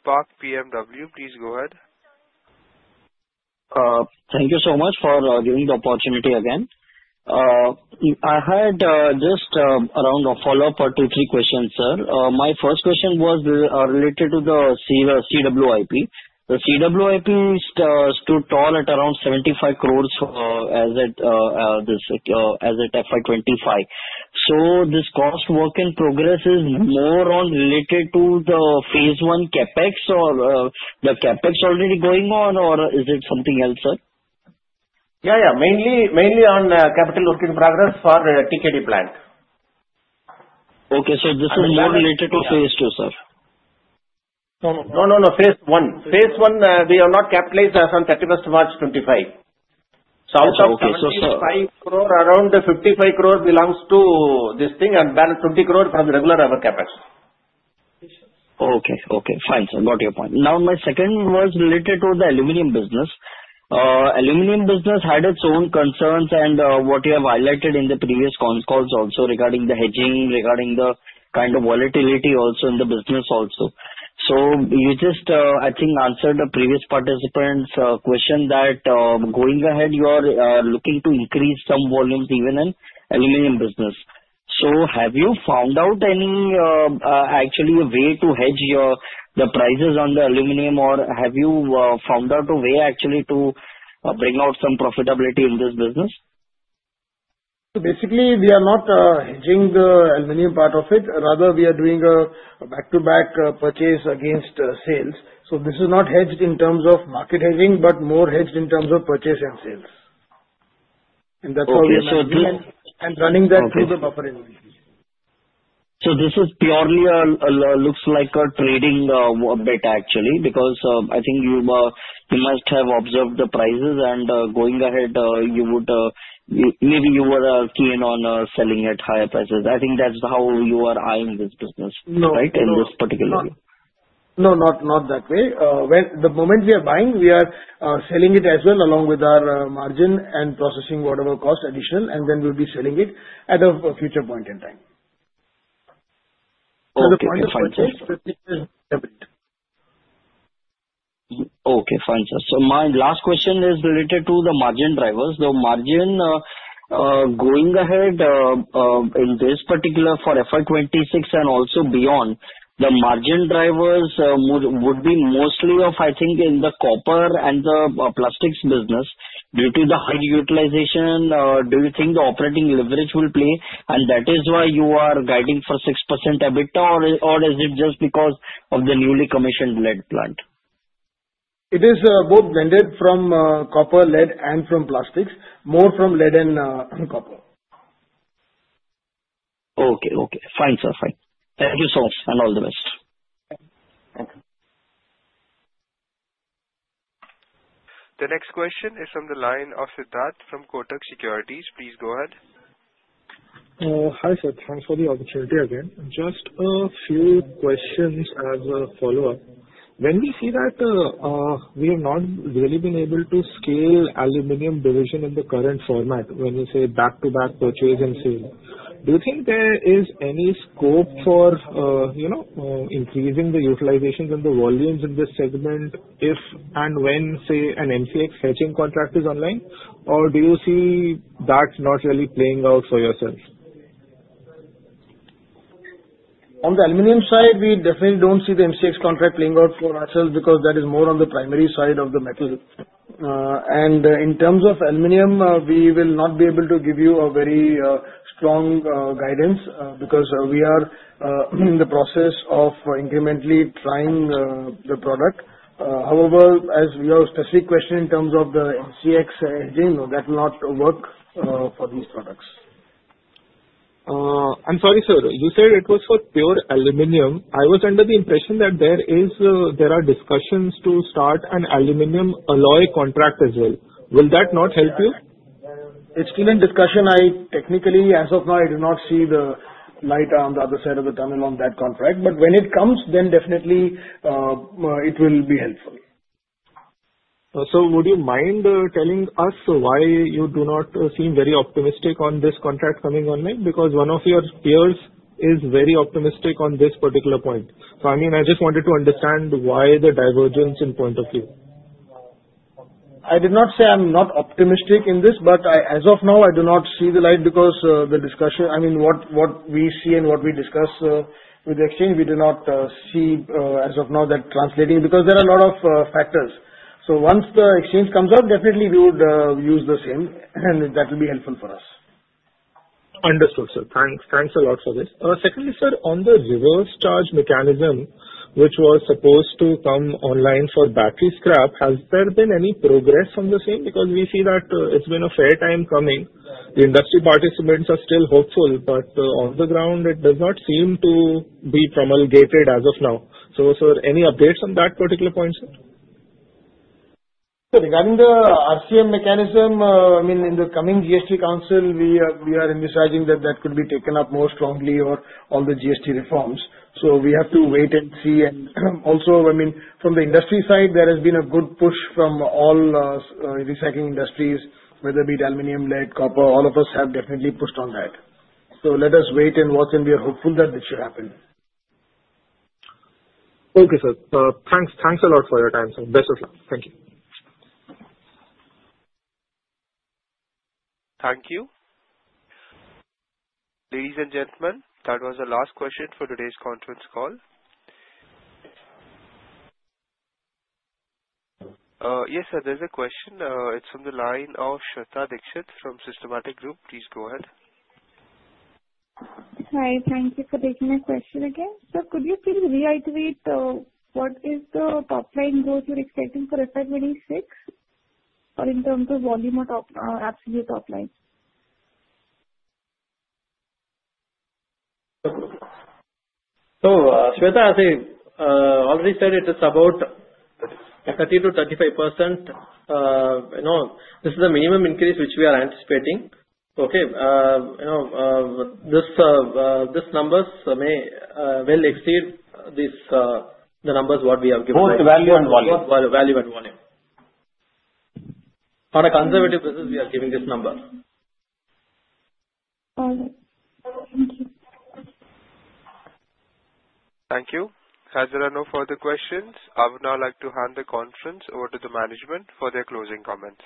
Spark PWM. Please go ahead. Thank you so much for giving the opportunity again. I had just around a follow-up or two, three questions, sir. My first question was related to the CWIP. The CWIP stood tall at around INR 75 crores as at FY 2025. This cost work in progress is more on related to the phase I CapEx or the CapEx already going on, or is it something else, sir? Yeah. Mainly on capital work in progress for TKD plant. Okay. This is more related to phase II, sir? No. phase I. phase I, we have not capitalized as on 31st March 2025. Out of INR 75 crore, around INR 55 crore belongs to this thing and balance INR 20 crore from the regular other CapEx. Okay, fine, sir. Got your point. My second was related to the aluminum business. Aluminum business had its own concerns and what you have highlighted in the previous con calls also regarding the hedging, regarding the kind of volatility in the business. You just, I think, answered the previous participant's question that going ahead, you are looking to increase some volumes even in aluminum business. Have you found out any actual way to hedge your prices on the aluminum, or have you found out a way actually to bring out some profitability in this business? Basically, we are not hedging the aluminum part of it. Rather, we are doing a back-to-back purchase against sales. This is not hedged in terms of market hedging, but more hedged in terms of purchase and sales. Okay. That's all we are managing and running that through the operating. This is purely looks like a trading bet actually, because I think you must have observed the prices and going ahead, maybe you were keen on selling at higher prices. I think that's how you are eyeing this business. No Right? In this particular way. No, not that way. The moment we are buying, we are selling it as well along with our margin and processing whatever cost additional, and then we'll be selling it at a future point in time. Okay, fine, sir. The point of purchase is separate. Okay, fine, sir. My last question is related to the margin drivers. Going ahead in this particular for FY 2026 and also beyond, the margin drivers would be mostly of, I think, in the copper and the plastics business due to the high utilization. Do you think the operating leverage will play and that is why you are guiding for 6% EBITDA? Or is it just because of the newly commissioned lead plant? It is both blended from copper, lead, and from plastics. More from lead and copper. Okay. Fine, sir. Thank you so much, and all the best. Thank you. The next question is from the line of Siddharth from Kotak Securities. Please go ahead. Hi, sir. Thanks for the opportunity again. Just a few questions as a follow-up. When we see that we have not really been able to scale aluminum division in the current format, when you say back-to-back purchase and sale, do you think there is any scope for increasing the utilizations and the volumes in this segment? If and when, say, an MCX hedging contract is online, or do you see that's not really playing out for yourselves? On the aluminum side, we definitely don't see the MCX contract playing out for ourselves because that is more on the primary side of the metal. In terms of aluminum, we will not be able to give you a very strong guidance because we are in the process of incrementally trying the product. However, as your specific question in terms of the MCX hedging, no, that will not work for these products. I'm sorry, sir. You said it was for pure aluminum. I was under the impression that there are discussions to start an aluminum alloy contract as well. Will that not help you? It is still in discussion. Technically, as of now, I do not see the light on the other side of the tunnel on that contract. When it comes, then definitely it will be helpful. Would you mind telling us why you do not seem very optimistic on this contract coming online? One of your peers is very optimistic on this particular point. I just wanted to understand why the divergence in point of view. I did not say I'm not optimistic in this, but as of now, I do not see the light because the discussion, what we see and what we discuss with the exchange, we do not see as of now that translating because there are a lot of factors. Once the exchange comes up, definitely we would use the same and that will be helpful for us. Understood, sir. Thanks a lot for this. Secondly, sir, on the Reverse Charge Mechanism, which was supposed to come online for battery scrap, has there been any progress on the same? We see that it's been a fair time coming. The industry participants are still hopeful, but on the ground it does not seem to be promulgated as of now. Sir, any updates on that particular point, sir? Sir, regarding the RCM mechanism, in the coming GST Council, we are envisaging that that could be taken up more strongly on the GST reforms. We have to wait and see. Also, from the industry side, there has been a good push from all recycling industries, whether it be aluminum, lead, copper, all of us have definitely pushed on that. Let us wait and watch, and we are hopeful that it should happen. Okay, sir. Thanks a lot for your time, sir. Best of luck. Thank you. Thank you. Ladies and gentlemen, that was the last question for today's conference call. Yes, sir, there's a question. It's from the line of Shweta Dikshit from Systematix Group. Please go ahead. Hi. Thank you for taking my question again. Sir, could you please reiterate what is the top-line growth you're expecting for FY 2026, in terms of volume or absolute top-line? Shweta, as I already said, it is about 30%-35%. This is the minimum increase which we are anticipating. These numbers may well exceed the numbers what we have given. Both value and volume. Both value and volume. On a conservative basis, we are giving this number. All right. Thank you. Thank you. As there are no further questions, I would now like to hand the conference over to the management for their closing comments.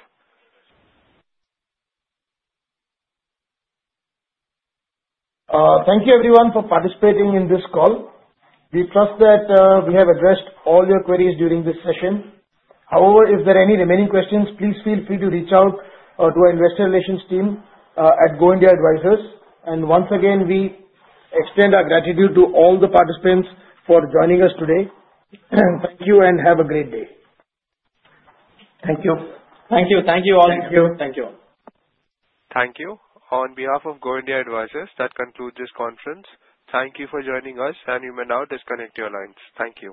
Thank you everyone for participating in this call. We trust that we have addressed all your queries during this session. However, if there are any remaining questions, please feel free to reach out to our investor relations team at Go India Advisors. Once again, we extend our gratitude to all the participants for joining us today. Thank you and have a great day. Thank you. Thank you. Thank you all. Thank you. Thank you. Thank you. On behalf of Go India Advisors, that concludes this conference. Thank you for joining us, and you may now disconnect your lines. Thank you.